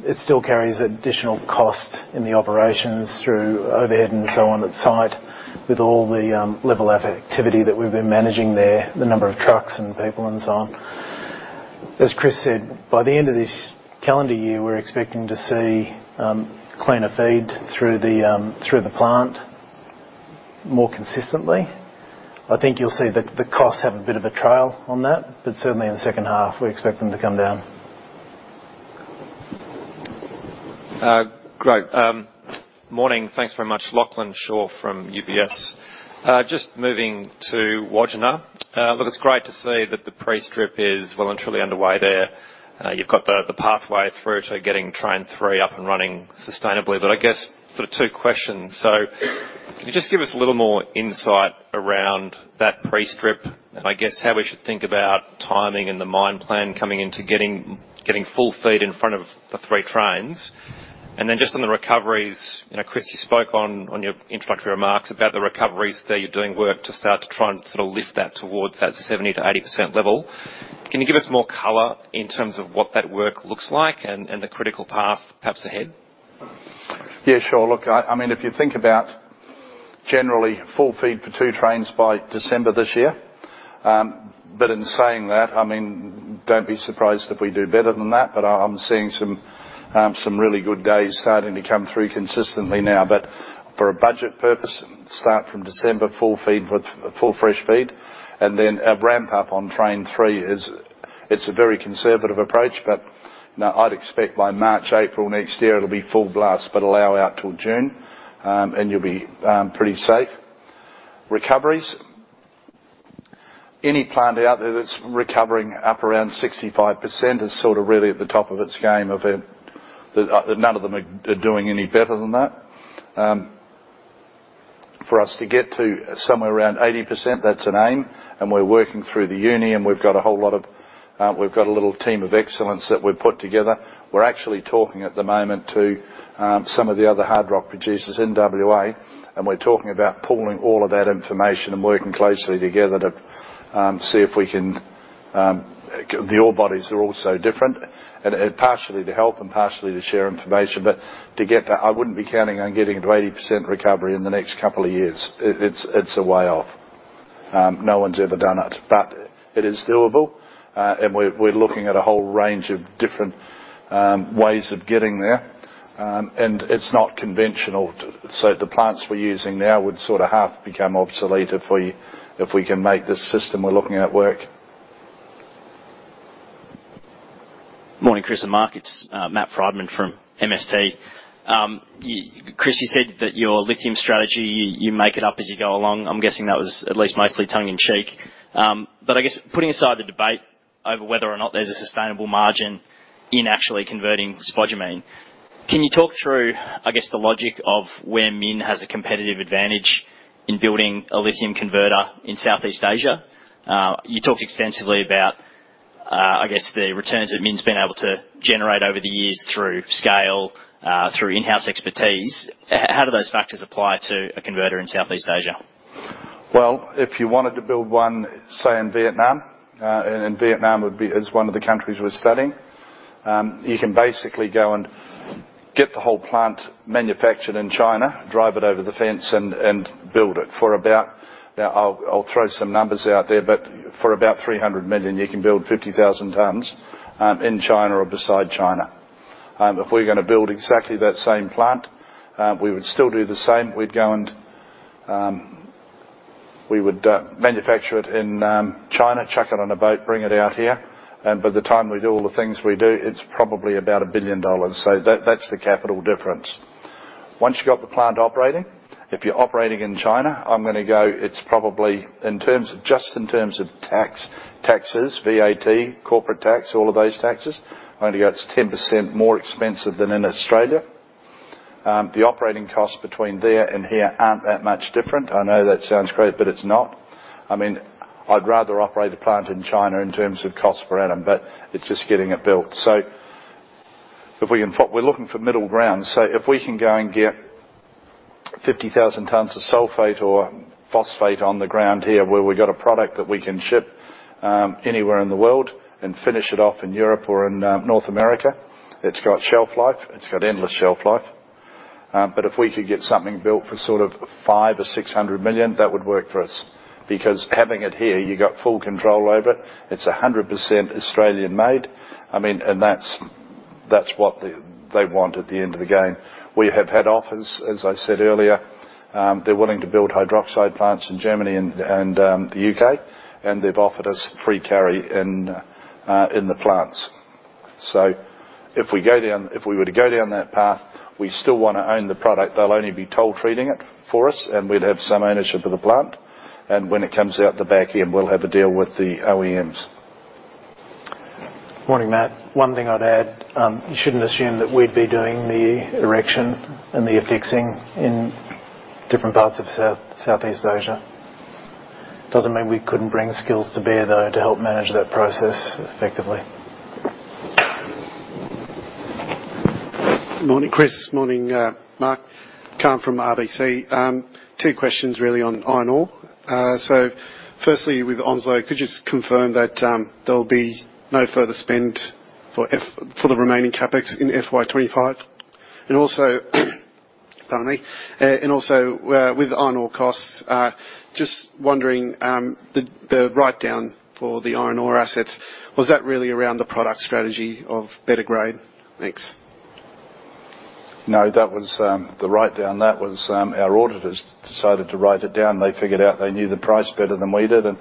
It still carries additional cost in the operations through overhead and so on at site, with all the level of activity that we've been managing there, the number of trucks and people and so on. As Chris said, by the end of this calendar year, we're expecting to see cleaner feed through the through the plant more consistently. I think you'll see that the costs have a bit of a trail on that, but certainly in the second half, we expect them to come down. Great. Morning. Thanks very much. Lachlan Shaw from UBS. Just moving to Wodgina. Look, it's great to see that the pre-strip is well and truly underway there. You've got the pathway through to getting Train 3 up and running sustainably. But I guess sort of two questions. So can you just give us a little more insight around that pre-strip, and I guess, how we should think about timing and the mine plan coming into getting full feed in front of the three trains? And then just on the recoveries, you know, Chris, you spoke on your introductory remarks about the recoveries, that you're doing work to start to try and sort of lift that towards that 70%-80% level. Can you give us more color in terms of what that work looks like and the critical path perhaps ahead? Yeah, sure. Look, I mean, if you think about generally full feed for two trains by December this year, but in saying that, I mean, don't be surprised if we do better than that, but I'm seeing some really good days starting to come through consistently now. But for a budget purpose, start from December, full feed with full fresh feed, and then a ramp up on Train 3 is... It's a very conservative approach, but, no, I'd expect by March, April next year, it'll be full blast, but allow out till June, and you'll be pretty safe. Recoveries. Any plant out there that's recovering up around 65% is sort of really at the top of its game, none of them are doing any better than that. For us to get to somewhere around 80%, that's an aim, and we're working through the uni, and we've got a little team of excellence that we've put together. We're actually talking at the moment to some of the other hard rock producers in WA, and we're talking about pooling all of that information and working closely together to see if we can, the ore bodies are all so different, and partially to help and partially to share information. But to get that, I wouldn't be counting on getting to 80% recovery in the next couple of years. It's a way off. No one's ever done it, but it is doable, and we're looking at a whole range of different ways of getting there. It's not conventional, so the plants we're using now would sort of half become obsoleted for if we can make this system we're looking at work. Morning, Chris and Mark. It's Matt Frydman from MST. Chris, you said that your lithium strategy, you, you make it up as you go along. I'm guessing that was at least mostly tongue-in-cheek. But I guess putting aside the debate over whether or not there's a sustainable margin in actually converting spodumene, can you talk through, I guess, the logic of where Min has a competitive advantage in building a lithium converter in Southeast Asia? You talked extensively about, I guess, the returns that Min's been able to generate over the years through scale, through in-house expertise. How do those factors apply to a converter in Southeast Asia? Well, if you wanted to build one, say, in Vietnam, and Vietnam is one of the countries we're studying, you can basically go and get the whole plant manufactured in China, drive it over the fence and build it for about... Now, I'll throw some numbers out there, but for about 300 million, you can build 50,000 tons, in China or beside China. If we're gonna build exactly that same plant, we would still do the same. We'd go and manufacture it in China, chuck it on a boat, bring it out here, and by the time we do all the things we do, it's probably about 1 billion dollars. So that's the capital difference. Once you got the plant operating, if you're operating in China, I'm gonna go, it's probably in terms of, just in terms of tax, taxes, VAT, corporate tax, all of those taxes, I'm going to go it's 10% more expensive than in Australia. The operating costs between there and here aren't that much different. I know that sounds crazy, but it's not. I mean, I'd rather operate a plant in China in terms of cost per atom, but it's just getting it built. So if we can... we're looking for middle ground. So if we can go and get 50,000 tons of sulfate or phosphate on the ground here, where we got a product that we can ship anywhere in the world and finish it off in Europe or in North America, it's got shelf life, it's got endless shelf life. But if we could get something built for sort of 500 million or 600 million, that would work for us. Because having it here, you got full control over it. It's 100% Australian-made. I mean, and that's what they want at the end of the game. We have had offers, as I said earlier, they're willing to build hydroxide plants in Germany and the UK, and they've offered us free carry in the plants. So if we were to go down that path, we still wanna own the product. They'll only be toll treating it for us, and we'd have some ownership of the plant. And when it comes out the back end, we'll have a deal with the OEMs. Morning, Matt. One thing I'd add, you shouldn't assume that we'd be doing the erection and the affixing in different parts of South, Southeast Asia. Doesn't mean we couldn't bring skills to bear, though, to help manage that process effectively.... Morning, Chris. Morning, Mark. Kaan from RBC. Two questions really on iron ore. So firstly, with Onslow, could you just confirm that, there'll be no further spend for the remaining CapEx in FY 2025? And also, pardon me. And also, with iron ore costs, just wondering, the write-down for the iron ore assets, was that really around the product strategy of better grade? Thanks. No, that was the writedown. That was our auditors decided to write it down. They figured out they knew the price better than we did, and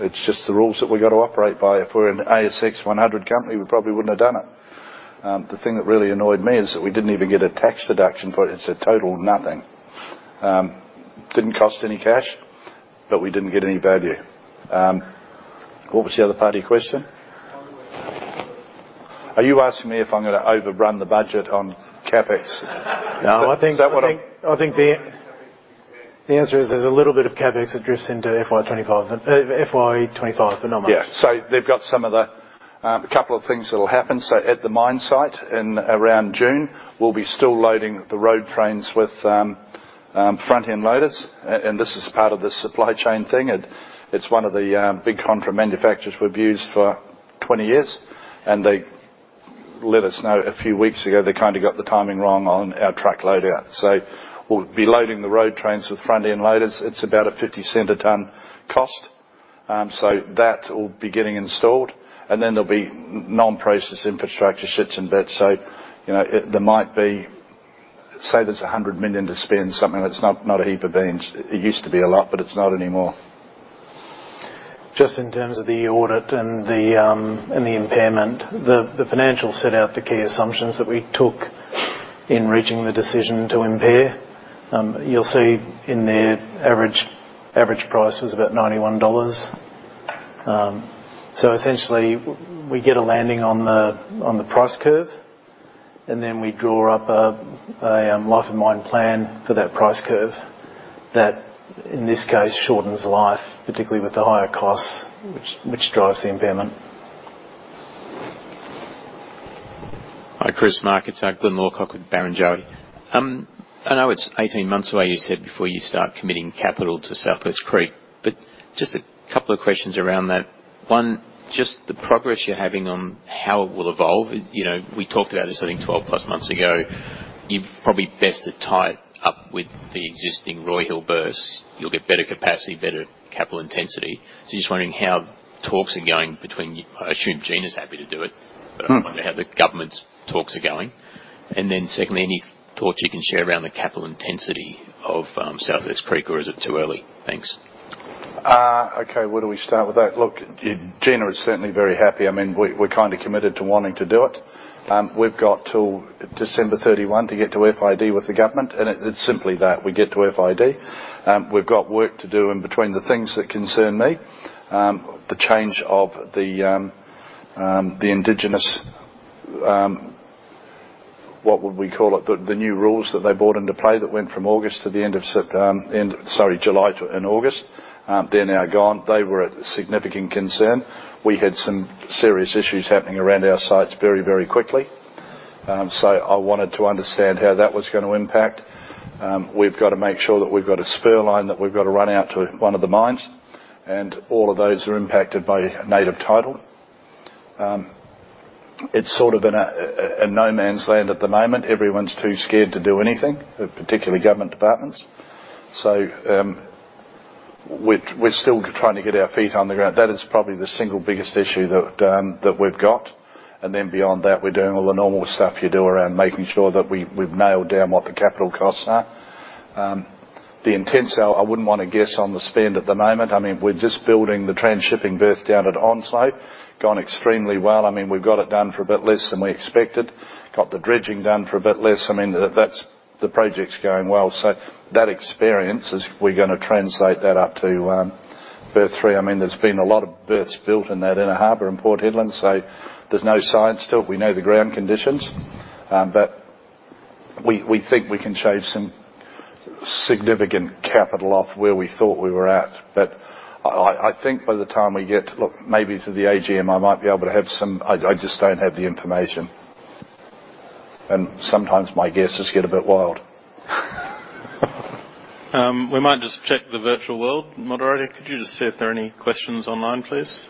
it's just the rules that we got to operate by. If we're an ASX 100 company, we probably wouldn't have done it. The thing that really annoyed me is that we didn't even get a tax deduction for it. It's a total nothing. Didn't cost any cash, but we didn't get any value. What was the other part of your question? Are you asking me if I'm gonna overrun the budget on CapEx? No, I think- Is that what I- I think the, CapEx. The answer is there's a little bit of CapEx that drifts into FY 25. FY 25, but not much. Yeah. So they've got some of the couple of things that will happen. So at the mine site, in around June, we'll be still loading the road trains with front-end loaders. And this is part of the supply chain thing. It's one of the big contract manufacturers we've used for 20 years, and they let us know a few weeks ago, they kind of got the timing wrong on our truck loader. So we'll be loading the road trains with front-end loaders. It's about a 0.50/ton cost. So that will be getting installed, and then there'll be non-process infrastructure, sheds and bits. So, you know, there might be, say, 100 million to spend, something that's not a heap of beans. It used to be a lot, but it's not anymore. Just in terms of the audit and the impairment, the financials set out the key assumptions that we took in reaching the decision to impair. You'll see in there, average price was about $91. So essentially, we get a landing on the price curve, and then we draw up a life of mine plan for that price curve. That, in this case, shortens life, particularly with the higher costs, which drives the impairment. Hi, Chris, Mark, it's Glyn Lawcock with Barrenjoey. I know it's 18 months away, you said, before you start committing capital to South West Creek, but just a couple of questions around that. One, just the progress you're having on how it will evolve. You know, we talked about this, I think, 12+ months ago. You've probably best to tie it up with the existing Roy Hill berths. You'll get better capacity, better capital intensity. So just wondering how talks are going between you... I assume Gina's happy to do it. I wonder how the government's talks are going. Then secondly, any thoughts you can share around the capital intensity of South West Creek, or is it too early? Thanks. Okay, where do we start with that? Look, Gina is certainly very happy. I mean, we, we're kind of committed to wanting to do it. We've got till December 31 to get to FID with the government, and it, it's simply that, we get to FID. We've got work to do, and between the things that concern me, the change of the, the Indigenous, what would we call it? The, the new rules that they brought into play that went from August to the end of Sept- end, sorry, July to... and August. They're now gone. They were a significant concern. We had some serious issues happening around our sites very, very quickly. So I wanted to understand how that was gonna impact. We've got to make sure that we've got a spare line, that we've got to run out to one of the mines, and all of those are impacted by Native Title. It's sort of in a no man's land at the moment. Everyone's too scared to do anything, particularly government departments. So, we're still trying to get our feet on the ground. That is probably the single biggest issue that we've got. And then beyond that, we're doing all the normal stuff you do around making sure that we've nailed down what the capital costs are. The extent, I wouldn't want to guess on the spend at the moment. I mean, we're just building the transhipping berth down at Onslow. Gone extremely well. I mean, we've got it done for a bit less than we expected, got the dredging done for a bit less. I mean, that's the project's going well. So that experience is, we're gonna translate that up to Berth 3. I mean, there's been a lot of berths built in that inner harbor in Port Hedland, so there's no science to it. We know the ground conditions, but we think we can shave some significant capital off where we thought we were at. But I think by the time we get, look, maybe to the AGM, I might be able to have some. I just don't have the information. And sometimes my guesses get a bit wild. We might just check the virtual world. Moderator, could you just see if there are any questions online, please?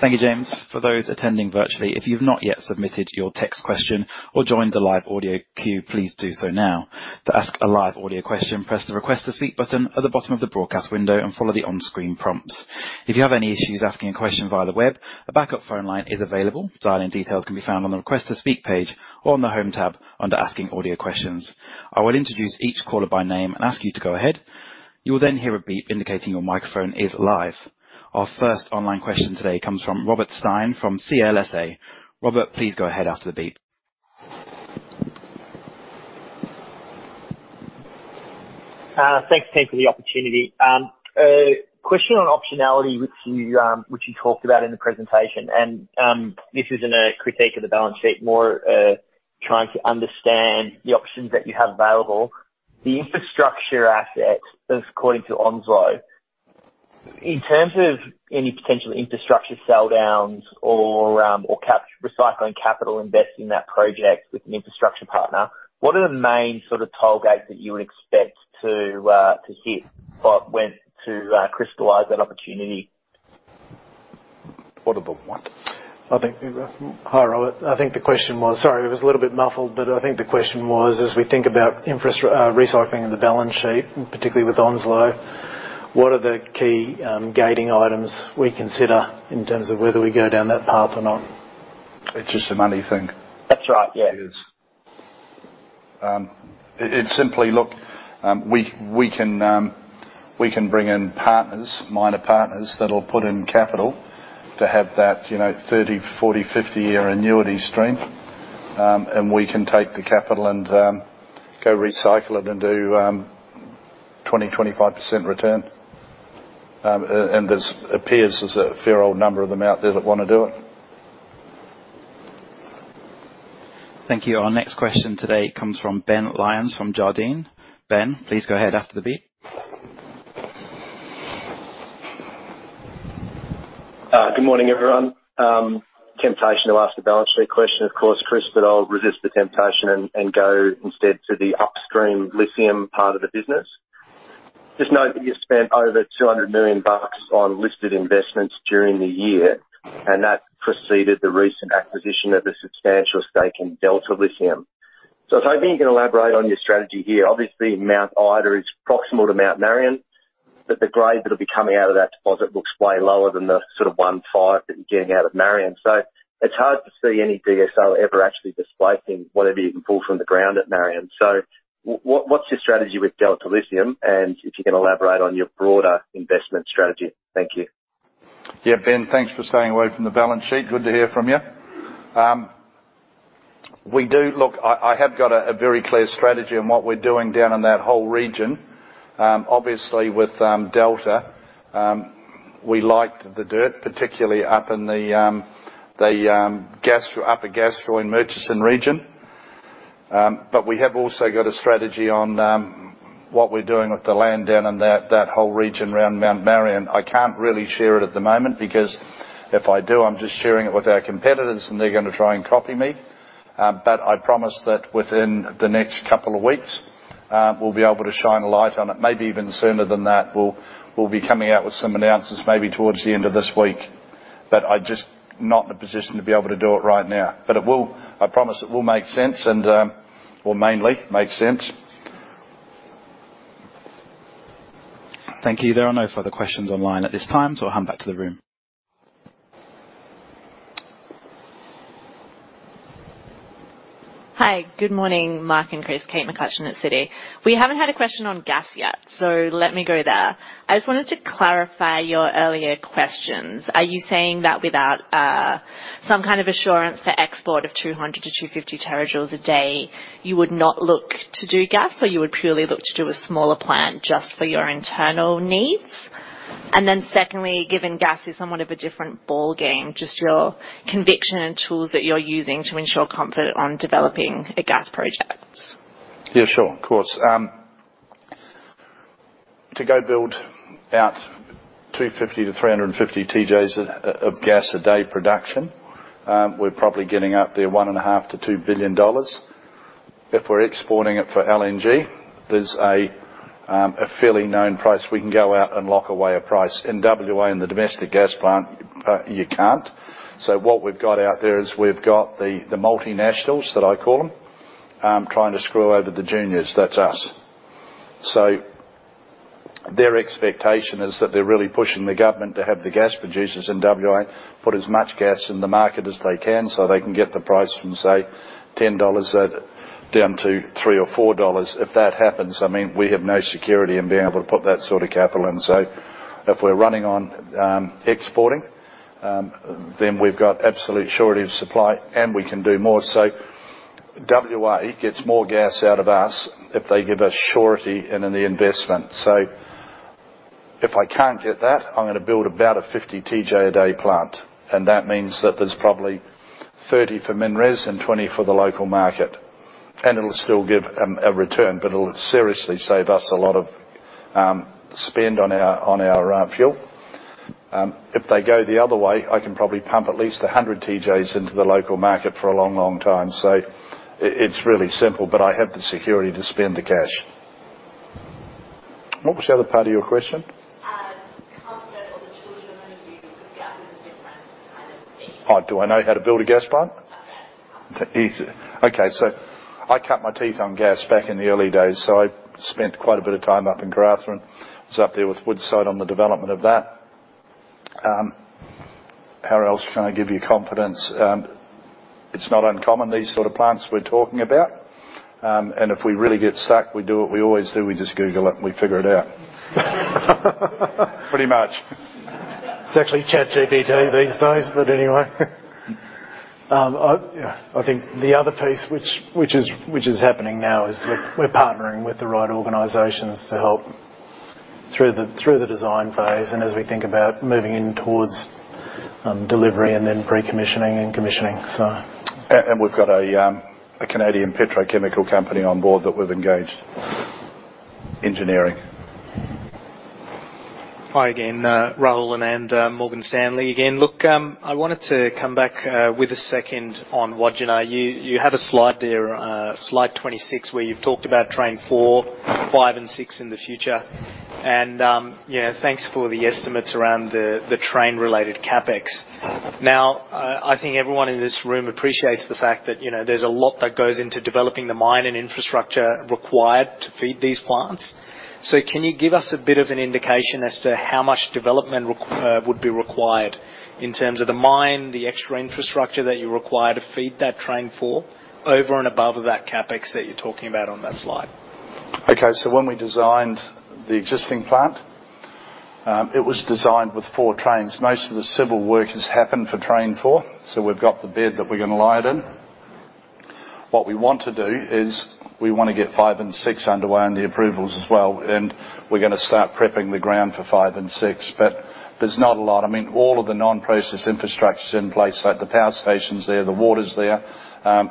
Thank you, James. For those attending virtually, if you've not yet submitted your text question or joined the live audio queue, please do so now. To ask a live audio question, press the Request to Speak button at the bottom of the broadcast window and follow the on-screen prompts. If you have any issues asking a question via the web, a backup phone line is available. Dial-in details can be found on the Request to Speak page or on the Home tab under Asking Audio Questions. I will introduce each caller by name and ask you to go ahead. You will then hear a beep indicating your microphone is live. Our first online question today comes from Robert Stein from CLSA. Robert, please go ahead after the beep. Thanks, thanks for the opportunity. A question on optionality, which you talked about in the presentation, and this isn't a critique of the balance sheet, more trying to understand the options that you have available. The infrastructure asset. In terms of any potential infrastructure sell downs or capital recycling, investing that project with an infrastructure partner, what are the main sort of toll gates that you would expect to hit, but when to crystallize that opportunity? What are the what? I think, hi, Robert. I think the question was... Sorry, it was a little bit muffled, but I think the question was, as we think about infrastructure recycling in the balance sheet, particularly with Onslow, what are the key gating items we consider in terms of whether we go down that path or not? It's just a money thing. That's right. Yeah. It is. It's simply... Look, we can bring in partners, minor partners, that'll put in capital to have that, you know, 30-, 40-, 50-year annuity stream. And we can take the capital and go recycle it and do 20-25% return. And there appears to be a fair old number of them out there that wanna do it. Thank you. Our next question today comes from Ben Lyons, from Jarden. Ben, please go ahead after the beep. Good morning, everyone. Temptation to ask the balance sheet question, of course, Chris, but I'll resist the temptation and, and go instead to the upstream lithium part of the business. Just note that you spent over 200 million bucks on listed investments during the year, and that preceded the recent acquisition of a substantial stake in Delta Lithium. So if I think you can elaborate on your strategy here. Obviously, Mount Ida is proximal to Mount Marion, but the grade that'll be coming out of that deposit looks way lower than the sort of 1.5 that you're getting out of Marion. So what, what's your strategy with Delta Lithium, and if you can elaborate on your broader investment strategy? Thank you. Yeah, Ben, thanks for staying away from the balance sheet. Good to hear from you. Look, I have got a very clear strategy on what we're doing down in that whole region. Obviously, with Delta, we liked the dirt, particularly up in the Gascoyne and Murchison region. But we have also got a strategy on what we're doing with the land down in that whole region around Mount Marion. I can't really share it at the moment, because if I do, I'm just sharing it with our competitors, and they're gonna try and copy me. But I promise that within the next couple of weeks, we'll be able to shine a light on it. Maybe even sooner than that, we'll be coming out with some announcements, maybe towards the end of this week. But I'm just not in a position to be able to do it right now. But it will. I promise it will make sense and, well, mainly make sense. Thank you. There are no further questions online at this time, so I'll hand back to the room. Hi, good morning, Mark and Chris. Kate McCutcheon at Citi. We haven't had a question on gas yet, so let me go there. I just wanted to clarify your earlier questions. Are you saying that without some kind of assurance for export of 200-250 terajoules a day, you would not look to do gas, or you would purely look to do a smaller plant just for your internal needs? And then secondly, given gas is somewhat of a different ballgame, just your conviction and tools that you're using to ensure comfort on developing a gas project. Yeah, sure. Of course. To go build out 250-350 TJs of gas a day production, we're probably getting out there 1.5 billion-2 billion dollars. If we're exporting it for LNG, there's a fairly known price. We can go out and lock away a price. In WA, in the domestic gas plant, you can't. So what we've got out there is, we've got the multinationals, that I call them, trying to screw over the juniors. That's us. So their expectation is that they're really pushing the government to have the gas producers in WA put as much gas in the market as they can, so they can get the price from, say, 10 dollars down to 3 or 4. If that happens, I mean, we have no security in being able to put that sort of capital in. So if we're running on exporting, then we've got absolute surety of supply, and we can do more. So WA gets more gas out of us if they give us surety in the investment. So if I can't get that, I'm gonna build about a 50-TJ a day plant, and that means that there's probably 30 for MinRes and 20 for the local market. And it'll still give a return, but it'll seriously save us a lot of spend on our, on our, fuel. If they go the other way, I can probably pump at least 100 TJs into the local market for a long, long time. So it's really simple, but I have the security to spend the cash. What was the other part of your question? Confident or the tools you're gonna use with that different kind of thing. Oh, do I know how to build a gas plant? Okay. It's easy. Okay, so I cut my teeth on gas back in the early days, so I spent quite a bit of time up in Carnarvon. I was up there with Woodside on the development of that. How else can I give you confidence? It's not uncommon, these sort of plants we're talking about. And if we really get stuck, we do what we always do, we just Google it, and we figure it out. Pretty much. It's actually ChatGPT these days, but anyway, I think the other piece which is happening now is that we're partnering with the right organizations to help through the design phase and as we think about moving in towards delivery and then pre-commissioning and commissioning, so. We've got a Canadian petrochemical company on board that we've engaged. Engineering. Hi again, Rahul, and Morgan Stanley again. Look, I wanted to come back with a second on Wodgina. You have a slide there, slide 26, where you've talked about Train 4, 5, and 6 in the future. And yeah, thanks for the estimates around the train-related CapEx. Now, I think everyone in this room appreciates the fact that, you know, there's a lot that goes into developing the mine and infrastructure required to feed these plants. So can you give us a bit of an indication as to how much development would be required in terms of the mine, the extra infrastructure that you require to feed that Train 4, over and above that CapEx that you're talking about on that slide? Okay, so when we designed the existing plant, it was designed with four trains. Most of the civil work has happened for train four, so we've got the bed that we're gonna lie it in. What we want to do is we want to get five and six underway, and the approvals as well, and we're gonna start prepping the ground for five and six. But there's not a lot. I mean, all of the non-process infrastructure's in place, like the power station's there, the water's there.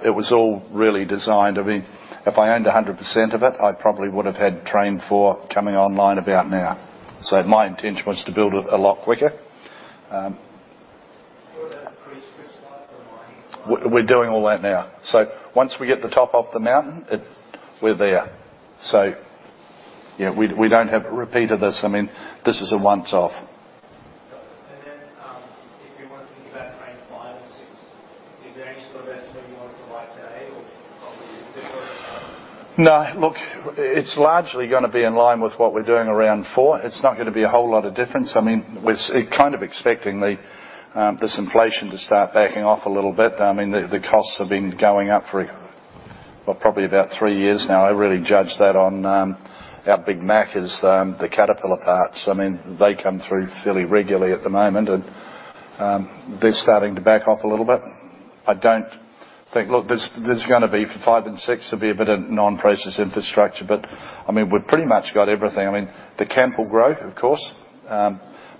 It was all really designed. I mean, if I owned 100% of it, I probably would have had train four coming online about now. So my intention was to build it a lot quicker. Was that the pre-strip slide for the mining slide? We're doing all that now. So once we get the top off the mountain, it... We're there. So, you know, we, we don't have a repeat of this. I mean, this is a once off. Got it. And then, if you want to think about train five and six, is there any sort of estimate you want to provide today, or probably tomorrow? No. Look, it's largely gonna be in line with what we're doing around four. It's not gonna be a whole lot of difference. I mean, we're kind of expecting this inflation to start backing off a little bit. I mean, the costs have been going up for, well, probably about three years now. I really judge that on our Big Mac is the Caterpillar parts. I mean, they come through fairly regularly at the moment, and they're starting to back off a little bit. I don't think... Look, there's gonna be, for five and six, there'll be a bit of non-process infrastructure, but, I mean, we've pretty much got everything. I mean, the camp will grow, of course,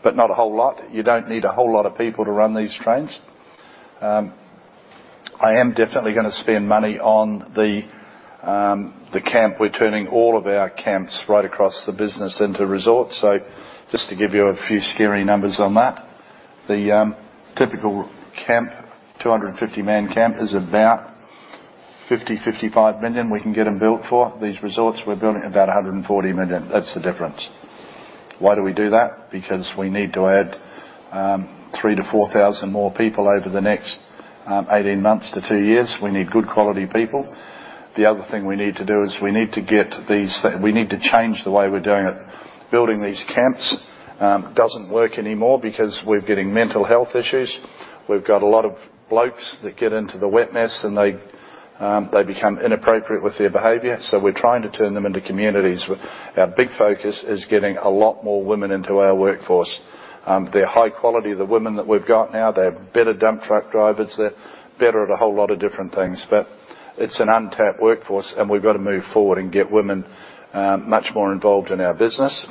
but not a whole lot. You don't need a whole lot of people to run these trains. I am definitely gonna spend money on the camp. We're turning all of our camps right across the business into resorts. So just to give you a few scary numbers on that, the typical camp, 250-man camp, is about 50 million-55 million we can get them built for. These resorts, we're building about 140 million. That's the difference. Why do we do that? Because we need to add 3,000-4,000 more people over the next 18 months to two years. We need good quality people. The other thing we need to do is we need to get these, we need to change the way we're doing it. Building these camps doesn't work anymore because we're getting mental health issues. We've got a lot of blokes that get into the wet mess, and they, they become inappropriate with their behavior, so we're trying to turn them into communities. Our big focus is getting a lot more women into our workforce. They're high quality. The women that we've got now, they're better dump truck drivers. They're better at a whole lot of different things. But it's an untapped workforce, and we've got to move forward and get women much more involved in our business.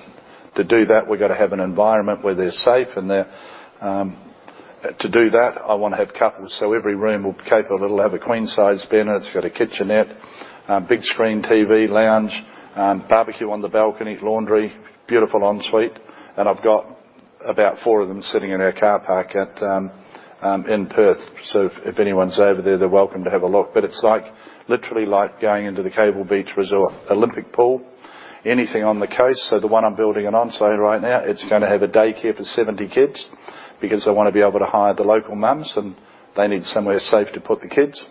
To do that, we've got to have an environment where they're safe and they're... To do that, I want to have couples, so every room will be capable. It'll have a queen-size bed, and it's got a kitchenette, big screen TV, lounge, barbecue on the balcony, laundry, beautiful ensuite. I've got about four of them sitting in our car park at in Perth. So if, if anyone's over there, they're welcome to have a look. But it's like, literally like going into the Cable Beach Resort. Olympic pool, anything on the coast. So the one I'm building in Onslow right now, it's gonna have a daycare for 70 kids because I wanna be able to hire the local mums, and they need somewhere safe to put the kids.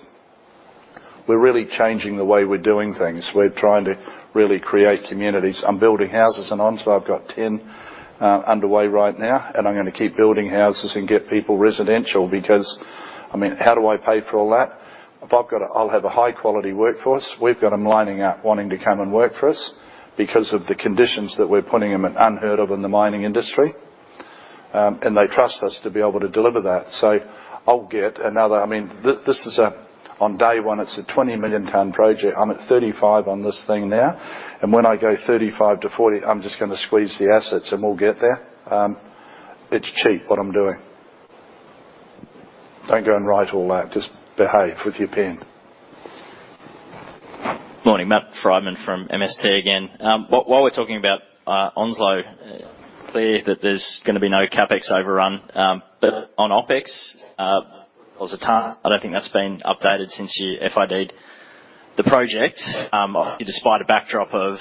We're really changing the way we're doing things. We're trying to really create communities. I'm building houses in Onslow. I've got 10 underway right now, and I'm gonna keep building houses and get people residential because, I mean, how do I pay for all that? If I've got a... I'll have a high-quality workforce. We've got them lining up, wanting to come and work for us because of the conditions that we're putting them in, unheard of in the mining industry. And they trust us to be able to deliver that. So I'll get another. I mean, this is a, on day one, it's a 20 million ton project. I'm at 35 on this thing now, and when I go 35-40, I'm just gonna squeeze the assets and we'll get there. It's cheap, what I'm doing. Don't go and write all that. Just behave with your pen. Morning. Matt Frydman from MST again. While we're talking about Onslow, clear that there's gonna be no CapEx overrun, but on OpEx per ton, I don't think that's been updated since you FID'd the project. Despite a backdrop of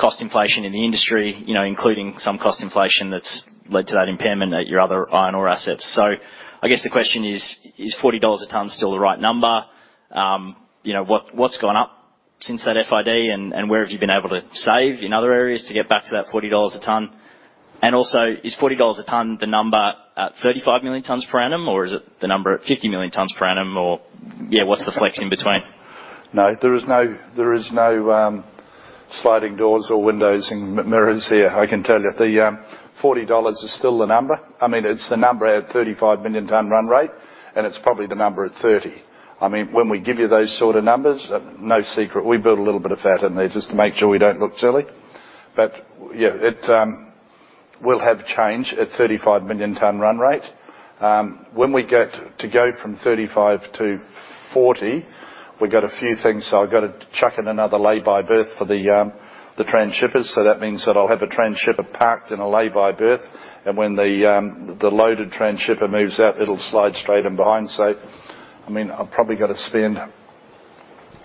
cost inflation in the industry, you know, including some cost inflation that's led to that impairment at your other iron ore assets. So I guess the question is, is $40 a ton still the right number? You know, what's gone up since that FID, and where have you been able to save in other areas to get back to that $40 a ton? And also, is $40 a ton the number at 35 million tons per annum, or is it the number at 50 million tons per annum? Or, yeah, what's the flex in between? No, there is no sliding doors or windows and mirrors here, I can tell you. The forty dollars is still the number. I mean, it's the number at 35 million ton run rate, and it's probably the number at 30. I mean, when we give you those sort of numbers, no secret, we build a little bit of fat in there just to make sure we don't look silly. But, yeah, it will have change at 35 million ton run rate. When we get to go from 35 to 40, we've got a few things. So I've got to chuck in another lay-by berth for the transshippers. So that means that I'll have a transshipper parked in a lay-by berth, and when the loaded transshipper moves out, it'll slide straight in behind. So, I mean, I've probably got to spend,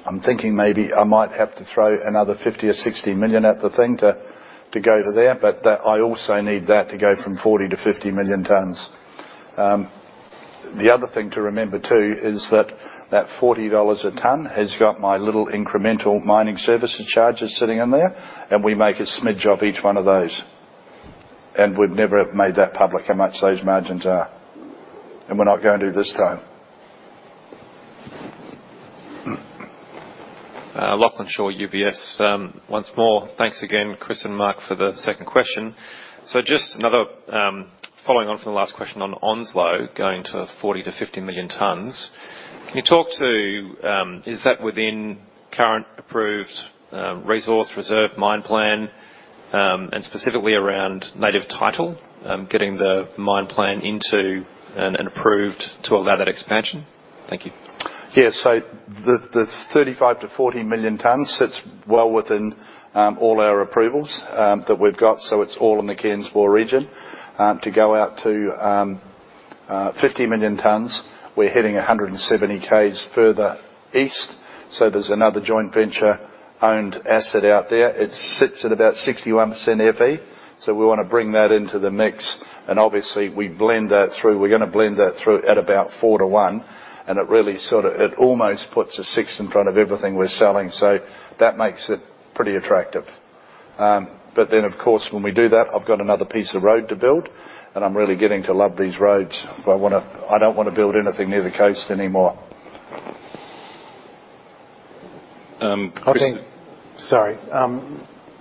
I'm thinking maybe I might have to throw another 50 or 60 million at the thing to go there, but that I also need that to go from 40-50 million tons. The other thing to remember, too, is that forty dollars a ton has got my little incremental mining services charges sitting in there, and we make a smidge of each one of those. And we've never made that public, how much those margins are, and we're not going to this time. Lachlan Shaw, UBS. Once more, thanks again, Chris and Mark, for the second question. So just another, following on from the last question on Onslow, going to 40-50 million tons. Can you talk to... Is that within current approved, resource reserve mine plan, and specifically around Native Title, getting the mine plan into and, and approved to allow that expansion? Thank you. Yeah, so the 35-40 million tons sits well within all our approvals that we've got. So it's all in the Ken's Bore region. To go out to 50 million tons, we're hitting 170 Ks further east, so there's another joint venture-owned asset out there. It sits at about 61% Fe, so we wanna bring that into the mix. And obviously, we blend that through. We're gonna blend that through at about 4-to-1, and it really sort of, it almost puts a six in front of everything we're selling, so that makes it pretty attractive. But then, of course, when we do that, I've got another piece of road to build, and I'm really getting to love these roads. I wanna- I don't wanna build anything near the coast anymore. Um, Chris- I think. Sorry,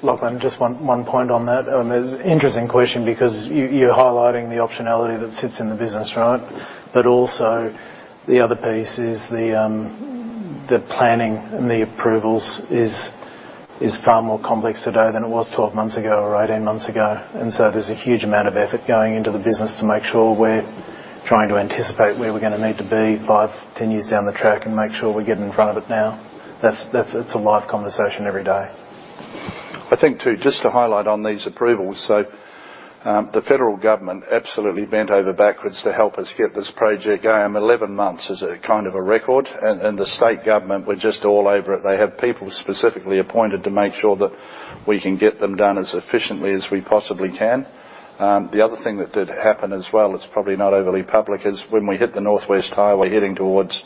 Lachlan, just one point on that. It's an interesting question because you, you're highlighting the optionality that sits in the business, right? But also, the other piece is the, the planning and the approvals is far more complex today than it was 12 months ago or 18 months ago. And so there's a huge amount of effort going into the business to make sure we're trying to anticipate where we're gonna need to be 5, 10 years down the track and make sure we get in front of it now. That's it. It's a live conversation every day. I think, too, just to highlight on these approvals, so, the federal government absolutely bent over backwards to help us get this project going. Eleven months is a kind of a record, and the state government were just all over it. They have people specifically appointed to make sure that we can get them done as efficiently as we possibly can. The other thing that did happen as well, it's probably not overly public, is when we hit the North West Highway, heading towards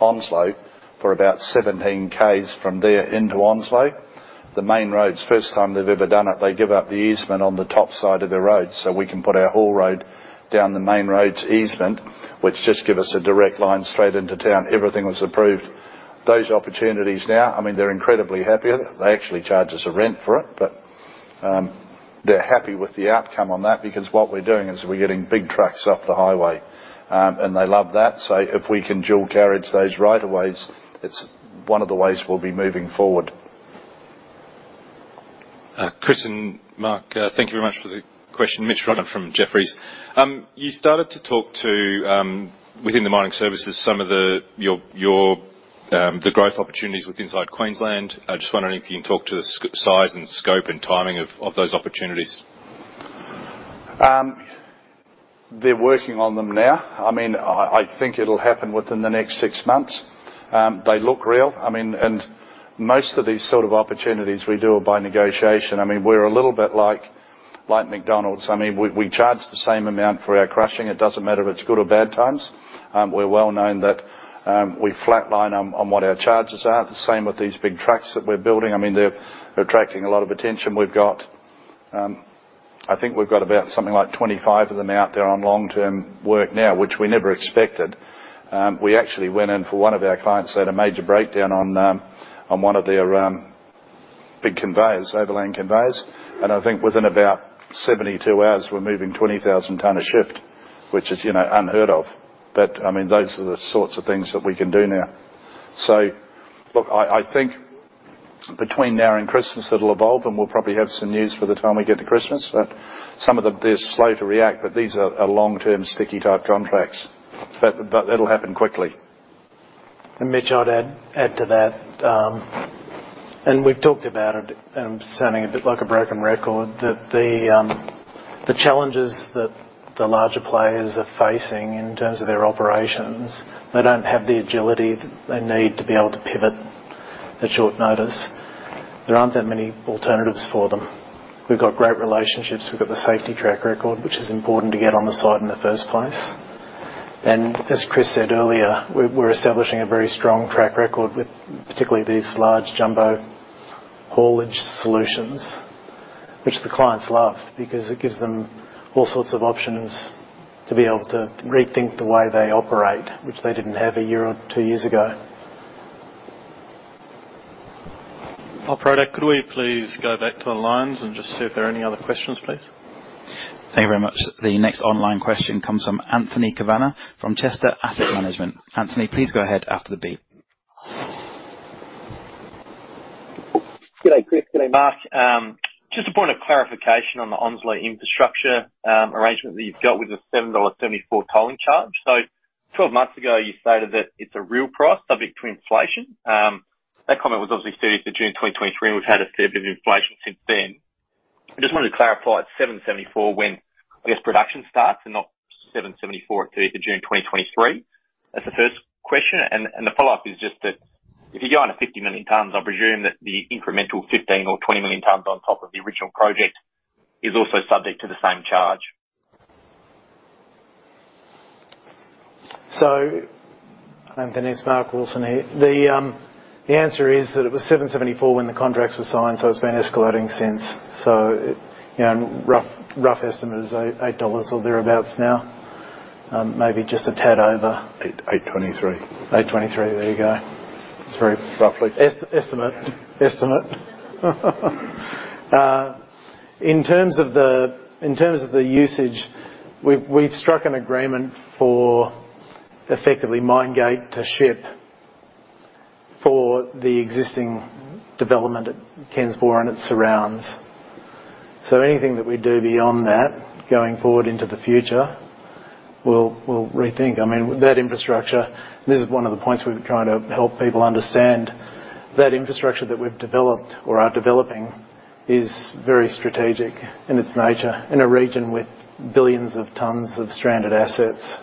Onslow, for about 17 Ks from there into Onslow, the Main Roads, first time they've ever done it, they give out the easement on the top side of the road, so we can put our haul road down the main road's easement, which just give us a direct line straight into town. Everything was approved. Those opportunities now, I mean, they're incredibly happy with it. They actually charge us a rent for it, but, they're happy with the outcome on that because what we're doing is we're getting big trucks off the highway, and they love that. So if we can dual carriage those right of ways, it's one of the ways we'll be moving forward. Chris and Mark, thank you very much for the question. Mitch Ryan from Jefferies. You started to talk to within the mining services, some of the, your, your, the growth opportunities with inside Queensland. I just wondering if you can talk to the size and scope and timing of those opportunities? They're working on them now. I mean, I think it'll happen within the next six months. They look real, I mean, and most of these sort of opportunities, we do it by negotiation. I mean, we're a little bit like McDonald's. I mean, we charge the same amount for our crushing. It doesn't matter if it's good or bad times. We're well known that we flatline on what our charges are. The same with these big trucks that we're building. I mean, they're attracting a lot of attention. We've got, I think we've got about something like 25 of them out there on long-term work now, which we never expected. We actually went in for one of our clients who had a major breakdown on, on one of their, big conveyors, overland conveyors, and I think within about 72 hours, we're moving 20,000 ton a shift, which is, you know, unheard of. But, I mean, those are the sorts of things that we can do now. So look, I, I think between now and Christmas, it'll evolve, and we'll probably have some news for the time we get to Christmas. But some of them, they're slow to react, but these are, are long-term, sticky-type contracts. But, but it'll happen quickly. And Mitch, I'd add, add to that, and we've talked about it, and I'm sounding a bit like a broken record, that the challenges that the larger players are facing in terms of their operations, they don't have the agility that they need to be able to pivot at short notice. There aren't that many alternatives for them. We've got great relationships, we've got the safety track record, which is important to get on the site in the first place. And as Chris said earlier, we're establishing a very strong track record with particularly these large jumbo haulage solutions, which the clients love because it gives them all sorts of options to be able to rethink the way they operate, which they didn't have a year or two years ago. Operator, could we please go back to the lines and just see if there are any other questions, please? Thank you very much. The next online question comes from Anthony Kavanagh, from Chester Asset Management. Anthony, please go ahead after the beep. Good day, Chris. Good day, Mark. Just a point of clarification on the Onslow infrastructure arrangement that you've got with the 7.74 tolling charge. So 12 months ago, you stated that it's a real price subject to inflation. That comment was obviously stated to June 2023, and we've had a fair bit of inflation since then. I just wanted to clarify, at 7.74 when, I guess, production starts and not 7.74 to June 2023. That's the first question. And, and the follow-up is just that if you're going to 50 million tons, I presume that the incremental 15 or 20 million tons on top of the original project is also subject to the same charge? So, Anthony, it's Mark Wilson here. The answer is that it was 7.74 when the contracts were signed, so it's been escalating since. So it, you know, rough, rough estimate is 8.8 dollars or thereabouts now, maybe just a tad over. 8.23. 8:23, there you go. It's very roughly. Estimate. In terms of the usage, we've struck an agreement for effectively mine gate to ship for the existing development at Ken's Bore and its surrounds. So anything that we do beyond that, going forward into the future, we'll rethink. I mean, that infrastructure, this is one of the points we've been trying to help people understand. That infrastructure that we've developed or are developing is very strategic in its nature, in a region with billions of tons of stranded assets.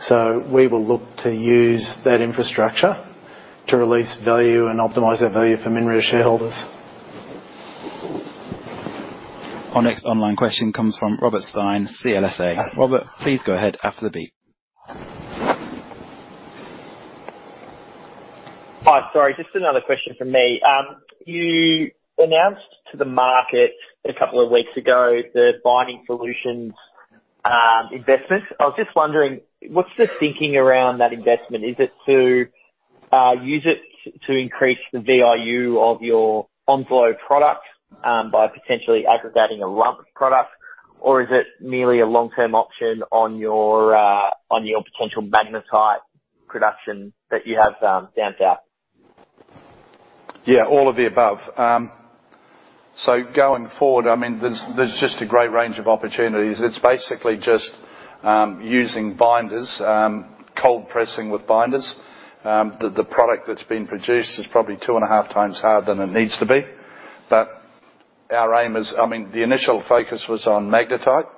So we will look to use that infrastructure to release value and optimize that value for MinRes shareholders. Our next online question comes from Robert Stein, CLSA. Robert, please go ahead after the beep. Hi, sorry, just another question from me. You announced to the market a couple of weeks ago, the Binding Solutions investment. I was just wondering, what's the thinking around that investment? Is it to use it to increase the VIU of your Onslow product by potentially aggregating a lump product? Or is it merely a long-term option on your potential magnetite production that you have down South? Yeah, all of the above. So going forward, I mean, there's just a great range of opportunities. It's basically just using binders, cold pressing with binders. The product that's been produced is probably 2.5 times harder than it needs to be. But our aim is, I mean, the initial focus was on magnetite.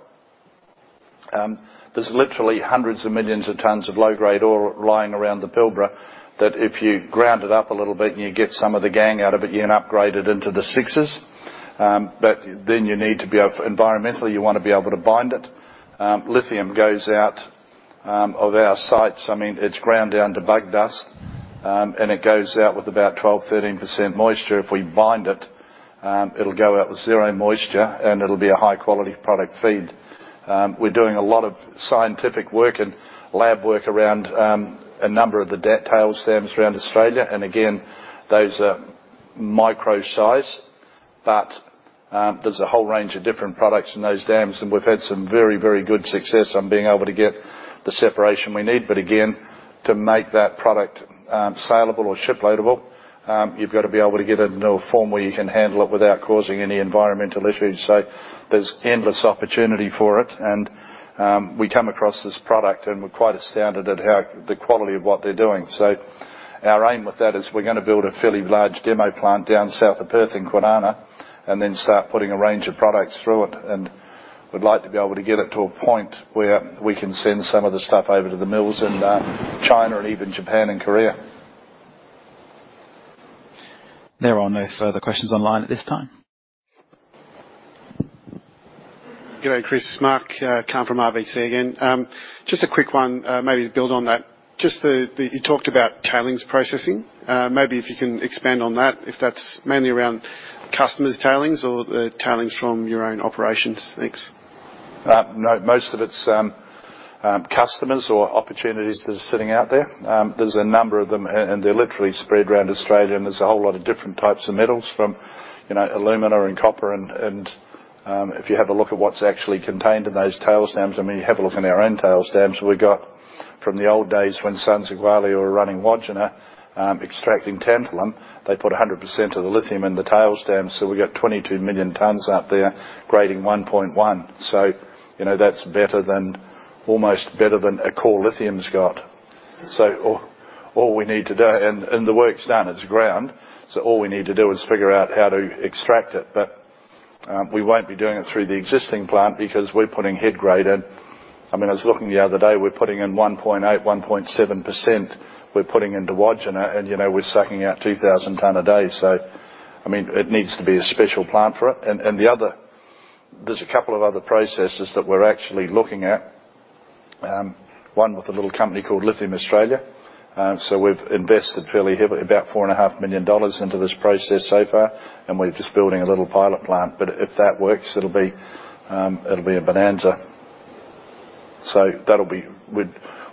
There's literally hundreds of millions of tons of low-grade ore lying around the Pilbara, that if you ground it up a little bit and you get some of the gangue out of it, you're going to upgrade it into the sixes. But then you need to be of, environmentally, you want to be able to bind it. lithium goes out of our sites, I mean, it's ground down to bug dust, and it goes out with about 12%-13% moisture. If we bind it, it'll go out with zero moisture, and it'll be a high-quality product feed. We're doing a lot of scientific work and lab work around a number of the tailings dams around Australia, and again, those are micro-size. But, there's a whole range of different products in those dams, and we've had some very, very good success on being able to get the separation we need. But again, to make that product saleable or shiploadable, you've got to be able to get it into a form where you can handle it without causing any environmental issues. So there's endless opportunity for it, and we come across this product, and we're quite astounded at how the quality of what they're doing. Our aim with that is we're gonna build a fairly large demo plant down south of Perth in Kwinana, and then start putting a range of products through it. We'd like to be able to get it to a point where we can send some of the stuff over to the mills in China and even Japan and Korea. There are no further questions online at this time. Good day, Chris. Mark, Kaan from RBC again. Just a quick one, maybe to build on that. Just you talked about tailings processing. Maybe if you can expand on that, if that's mainly around customers' tailings or the tailings from your own operations. Thanks. No, most of it's customers or opportunities that are sitting out there. There's a number of them, and they're literally spread around Australia, and there's a whole lot of different types of metals from, you know, alumina and copper, and if you have a look at what's actually contained in those tailings dams, I mean, you have a look in our own tailings dams. We got from the old days when Sons of Gwalia were running Wodgina, extracting tantalum. They put 100% of the lithium in the tailings dam, so we got 22 million tons out there, grading 1.1. So you know, that's better than, almost better than Core Lithium's got. So all we need to do... And the work's done, it's ground, so all we need to do is figure out how to extract it. But we won't be doing it through the existing plant because we're putting head grade in. I mean, I was looking the other day, we're putting in 1.8, 1.7%. We're putting into Wodgina, and, you know, we're sucking out 2,000 ton a day. So I mean, it needs to be a special plant for it. And there's a couple of other processes that we're actually looking at. One with a little company called Lithium Australia. So we've invested fairly heavily, about 4.5 million dollars into this process so far, and we're just building a little pilot plant. But if that works, it'll be, it'll be a bonanza. So that'll be.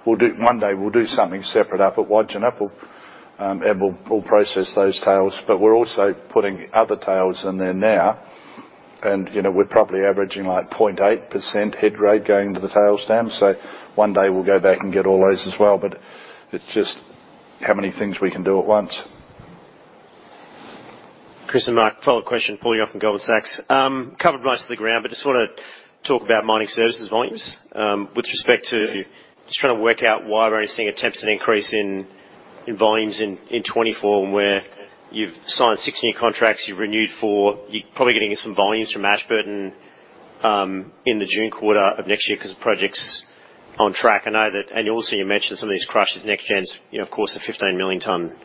We'll do. One day, we'll do something separate up at Wodgina, and we'll, we'll process those tails. But we're also putting other tails in there now. And, you know, we're probably averaging, like, 0.8% head grade going to the tail stand. So one day we'll go back and get all those as well, but it's just how many things we can do at once. Chris and Mark, follow-up question, Paul here from Goldman Sachs. Covered most of the ground, but just wanna talk about mining services volumes, with respect to- Yeah. Just trying to work out why we're only seeing a 10% increase in volumes in 2024, and where you've signed 6-year contracts, you've renewed 4. You're probably getting some volumes from Ashburton in the June quarter of next year, 'cause the project's on track. I know that—and also, you mentioned some of these crushes. NextGen's, you know, of course, a 15 million ton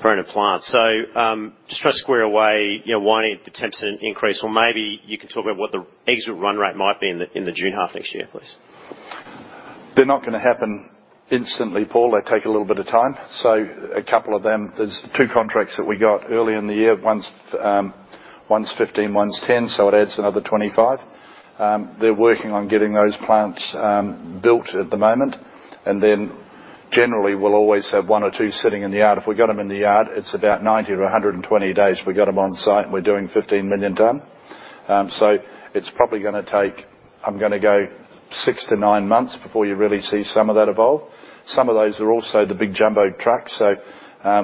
per annum plant. So, just try to square away, you know, why the 10% increase, or maybe you can talk about what the exit run rate might be in the June half next year, please. They're not gonna happen instantly, Paul. They take a little bit of time. So a couple of them, there's 2 contracts that we got early in the year. One's 15, one's 10, so it adds another 25. They're working on getting those plants built at the moment, and then, generally, we'll always have 1 or 2 sitting in the yard. If we've got them in the yard, it's about 90-120 days, we've got them on site, and we're doing 15 million ton. So it's probably gonna take, I'm gonna go 6-9 months before you really see some of that evolve. Some of those are also the big jumbo trucks, so,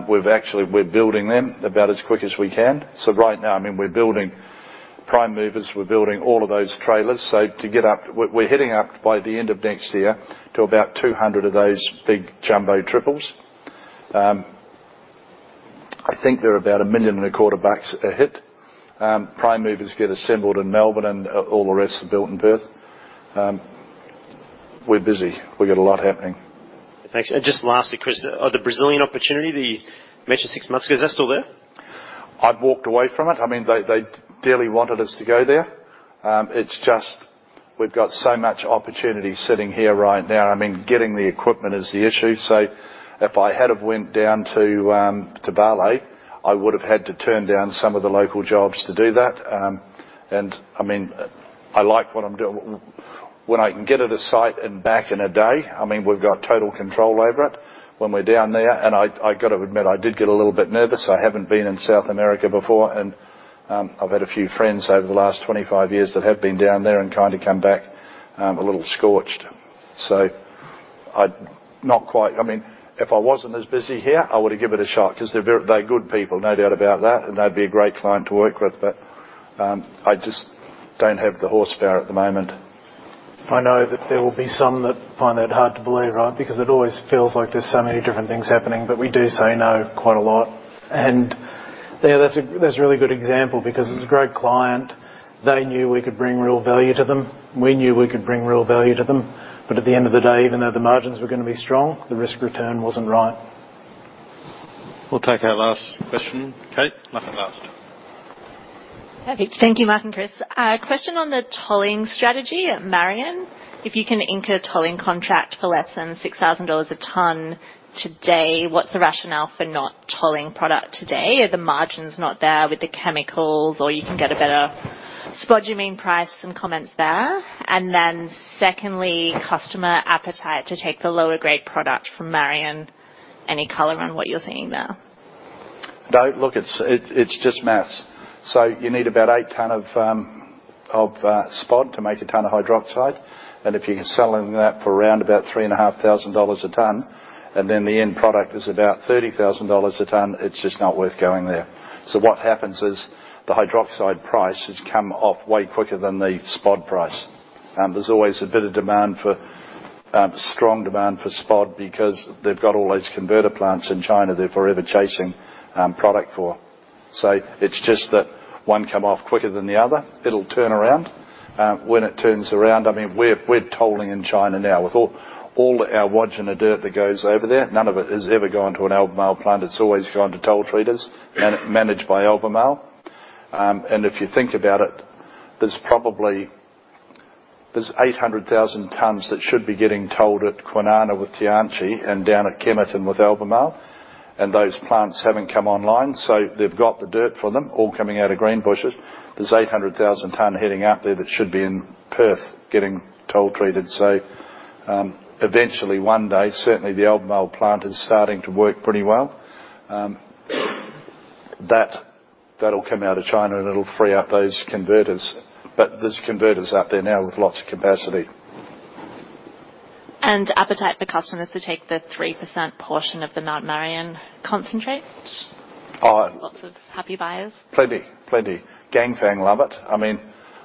we've actually, we're building them about as quick as we can. So right now, I mean, we're building prime movers. We're building all of those trailers. So to get up, we're heading up by the end of next year to about 200 of those big jumbo triples. I think they're about 1.25 million a hit. Prime movers get assembled in Melbourne, and all the rest are built in Perth. We're busy. We've got a lot happening. Thanks. And just lastly, Chris, the Brazilian opportunity that you mentioned six months ago, is that still there? I've walked away from it. I mean, they, they dearly wanted us to go there. It's just we've got so much opportunity sitting here right now. I mean, getting the equipment is the issue. So if I had've went down to, to Vale, I would've had to turn down some of the local jobs to do that. And, I mean, I like what I'm doing. When I can get at a site and back in a day, I mean, we've got total control over it. When we're down there, and I, I got to admit, I did get a little bit nervous. I haven't been in South America before, and, I've had a few friends over the last 25 years that have been down there and kind of come back, a little scorched. So I'd not quite... I mean, if I wasn't as busy here, I would have given it a shot because they're very good people, no doubt about that, and they'd be a great client to work with. But, I just don't have the horsepower at the moment. I know that there will be some that find that hard to believe, right? Because it always feels like there's so many different things happening, but we do say no quite a lot. Yeah, that's a really good example because it's a great client. They knew we could bring real value to them. We knew we could bring real value to them. But at the end of the day, even though the margins were gonna be strong, the risk return wasn't right. We'll take our last question. Kate McCutcheon. Perfect. Thank you, Mark and Chris. Question on the tolling strategy at Mount Marion. If you can ink a tolling contract for less than $6,000/ton today, what's the rationale for not tolling product today? Are the margins not there with the chemicals, or you can get a better spodumene price and comments there? And then secondly, customer appetite to take the lower grade product from Mount Marion. Any color on what you're seeing there? No, look, it's just math. So you need about 8 ton of spod to make a ton of hydroxide. And if you can sell them that for around about $3,500 a ton, and then the end product is about $30,000 a ton, it's just not worth going there. So what happens is the hydroxide price has come off way quicker than the spod price. There's always a bit of demand for strong demand for spod because they've got all these converter plants in China they're forever chasing product for. So it's just that one come off quicker than the other. It'll turn around. When it turns around, I mean, we're tolling in China now. With all our Wodgina and the dirt that goes over there, none of it has ever gone to an Albemarle plant. It's always gone to toll treaters and managed by Albemarle. And if you think about it, there's probably—there's 800,000 tons that should be getting tolled at Kwinana with Tianqi and down at Kemerton with Albemarle, and those plants haven't come online, so they've got the dirt for them all coming out of Greenbushes. There's 800,000 tons heading out there that should be in Perth, getting toll treated. So, eventually, one day, certainly, the Albemarle plant is starting to work pretty well. That, that'll come out of China, and it'll free up those converters. But there's converters out there now with lots of capacity. Appetite for customers to take the 3% portion of the Mount Marion concentrate? Lots of happy buyers? Plenty, plenty. Ganfeng love it. I mean,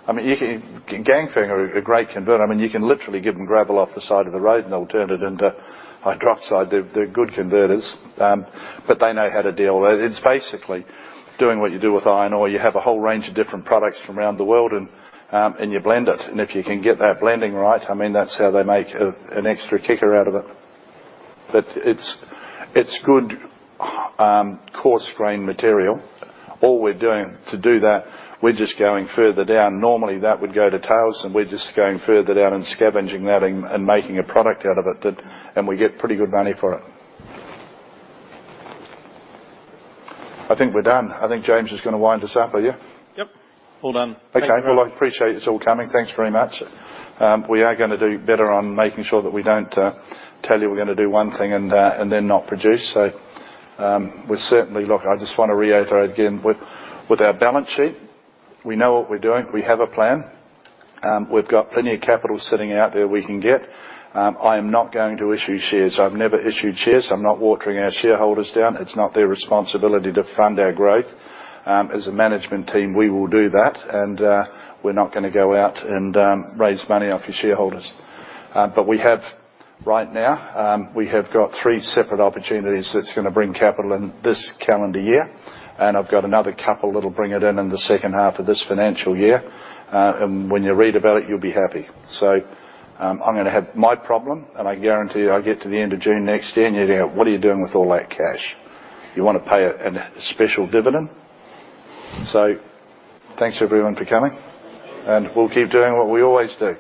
Ganfeng are a great converter. I mean, you can literally give them gravel off the side of the road, and they'll turn it into hydroxide. They're good converters. But they know how to deal with it. It's basically doing what you do with iron ore. You have a whole range of different products from around the world, and you blend it. And if you can get that blending right, I mean, that's how they make an extra kicker out of it. But it's good coarse grain material. All we're doing to do that, we're just going further down. Normally, that would go to tails, and we're just going further down and scavenging that and making a product out of it that... And we get pretty good money for it. I think we're done. I think James is gonna wind us up, are you? Yep. All done. Okay. Well, I appreciate you all coming. Thanks very much. We are gonna do better on making sure that we don't tell you we're gonna do one thing and then not produce. So, we're certainly... Look, I just want to reiterate again, with, with our balance sheet, we know what we're doing. We have a plan. We've got plenty of capital sitting out there we can get. I am not going to issue shares. I've never issued shares. I'm not watering our shareholders down. It's not their responsibility to fund our growth. As a management team, we will do that, and we're not gonna go out and raise money off your shareholders. But we have, right now, we have got three separate opportunities that's gonna bring capital in this calendar year, and I've got another couple that'll bring it in in the second half of this financial year. When you read about it, you'll be happy. I'm gonna have my problem, and I guarantee you, I'll get to the end of June next year, and you'll go, "What are you doing with all that cash? You want to pay a special dividend?" Thanks, everyone, for coming, and we'll keep doing what we always do.